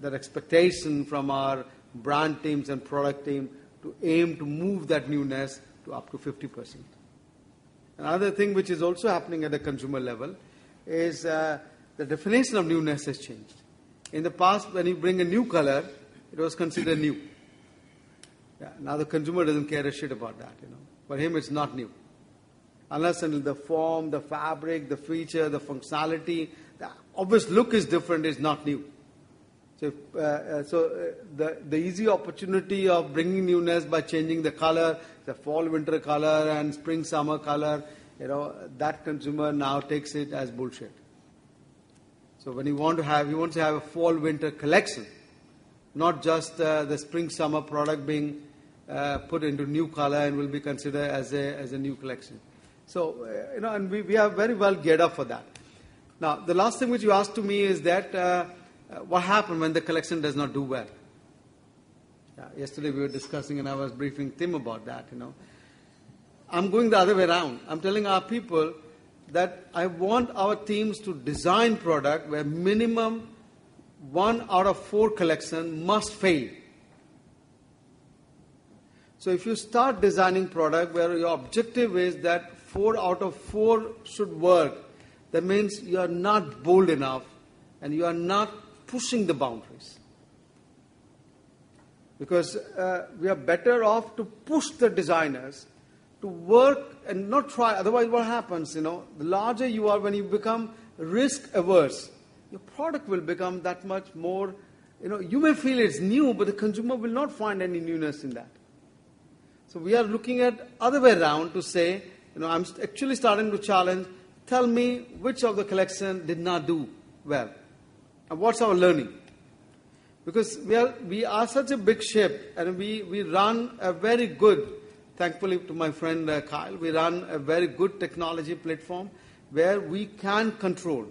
C: expectation from our brand teams and product team to aim to move that newness to up to 50%. Another thing which is also happening at the consumer level is the definition of newness has changed. In the past, when you bring a new color, it was considered new. Now the consumer doesn't care a shit about that. For him, it's not new. Unless in the form, the fabric, the feature, the functionality, the obvious look is different, it's not new. The easy opportunity of bringing newness by changing the color, the fall-winter color and spring-summer color, that consumer now takes it as bullshit. When you want to have a fall-winter collection, not just the spring-summer product being put into new color and will be considered as a new collection. We are very well geared up for that. The last thing which you asked to me is that, what happen when the collection does not do well? Yesterday we were discussing and I was briefing Tim about that. I'm going the other way around. I'm telling our people that I want our teams to design product where minimum one out of four collection must fail. If you start designing product where your objective is that four out of four should work, that means you are not bold enough, and you are not pushing the boundaries. We are better off to push the designers to work and not try. Otherwise, what happens? The larger you are, when you become risk-averse- Your product will become that much more You may feel it's new, but the consumer will not find any newness in that. We are looking at other way around to say, I'm actually starting to challenge, tell me which of the collection did not do well, and what's our learning? We are such a big ship, and we run a very good, thankfully to my friend, Kyle, we run a very good technology platform where we can control.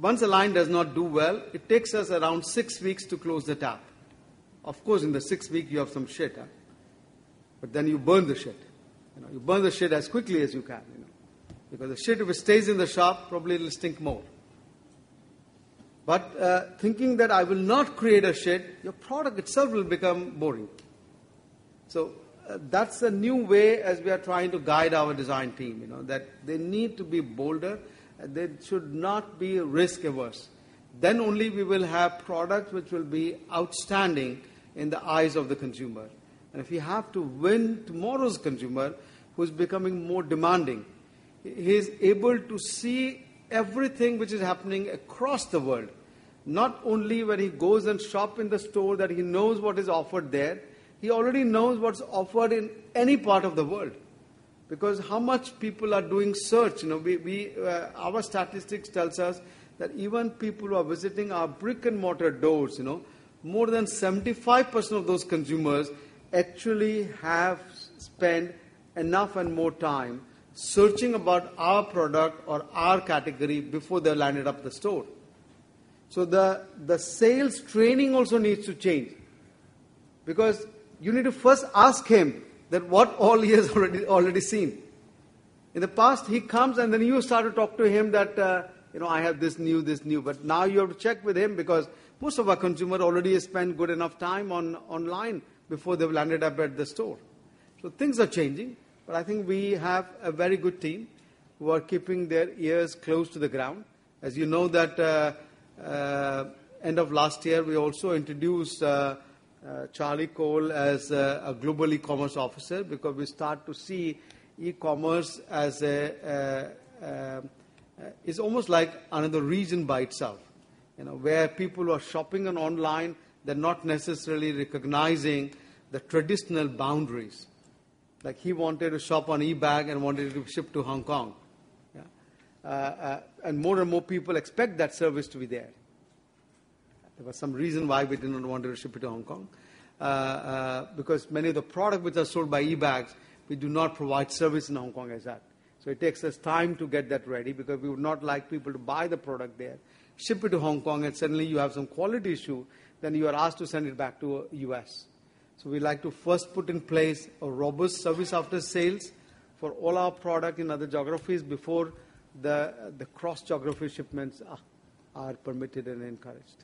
C: Once a line does not do well, it takes us around six weeks to close the tab. Of course, in the six weeks you have some shit happen. You burn the shit. You burn the shit as quickly as you can. The shit, if it stays in the shop, probably it'll stink more. Thinking that I will not create a shit, your product itself will become boring. That's a new way as we are trying to guide our design team, that they need to be bolder. They should not be risk-averse. Only we will have product which will be outstanding in the eyes of the consumer. If we have to win tomorrow's consumer, who's becoming more demanding, he's able to see everything which is happening across the world. Not only when he goes and shop in the store that he knows what is offered there, he already knows what's offered in any part of the world. How much people are doing search. Our statistics tells us that even people who are visiting our brick-and-mortar doors, more than 75% of those consumers actually have spent enough and more time searching about our product or our category before they landed up the store. The sales training also needs to change. You need to first ask him that what all he has already seen. In the past, he comes and then you start to talk to him that, "I have this new, this new" Now you have to check with him because most of our consumer already has spent good enough time online before they've landed up at the store. Things are changing, but I think we have a very good team who are keeping their ears close to the ground. As you know that end of last year, we also introduced Charlie Cole as a Global E-commerce Officer because we start to see e-commerce as a It's almost like another region by itself. Where people are shopping on online, they're not necessarily recognizing the traditional boundaries. Like he wanted to shop on eBags and wanted it to ship to Hong Kong. Yeah. More and more people expect that service to be there. There was some reason why we didn't want to ship it to Hong Kong. Many of the product which are sold by eBags, we do not provide service in Hong Kong as at. It takes us time to get that ready because we would not like people to buy the product there, ship it to Hong Kong, and suddenly you have some quality issue, then you are asked to send it back to U.S. We like to first put in place a robust service after sales for all our product in other geographies before the cross-geography shipments are permitted and encouraged.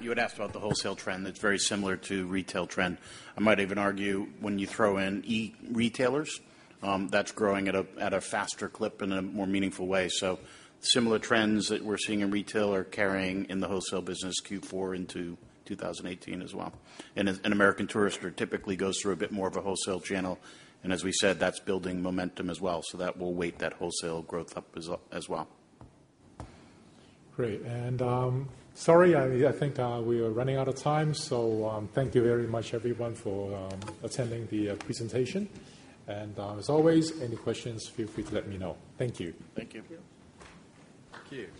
D: You had asked about the wholesale trend that's very similar to retail trend. I might even argue when you throw in e-retailers, that's growing at a faster clip in a more meaningful way. Similar trends that we're seeing in retail are carrying in the wholesale business Q4 into 2018 as well. American Tourister typically goes through a bit more of a wholesale channel, and as we said, that's building momentum as well. That will weight that wholesale growth up as well.
A: Great. Sorry, I think we are running out of time. Thank you very much everyone for attending the presentation. As always, any questions, feel free to let me know. Thank you.
D: Thank you.
C: Thank you.
K: Thank you.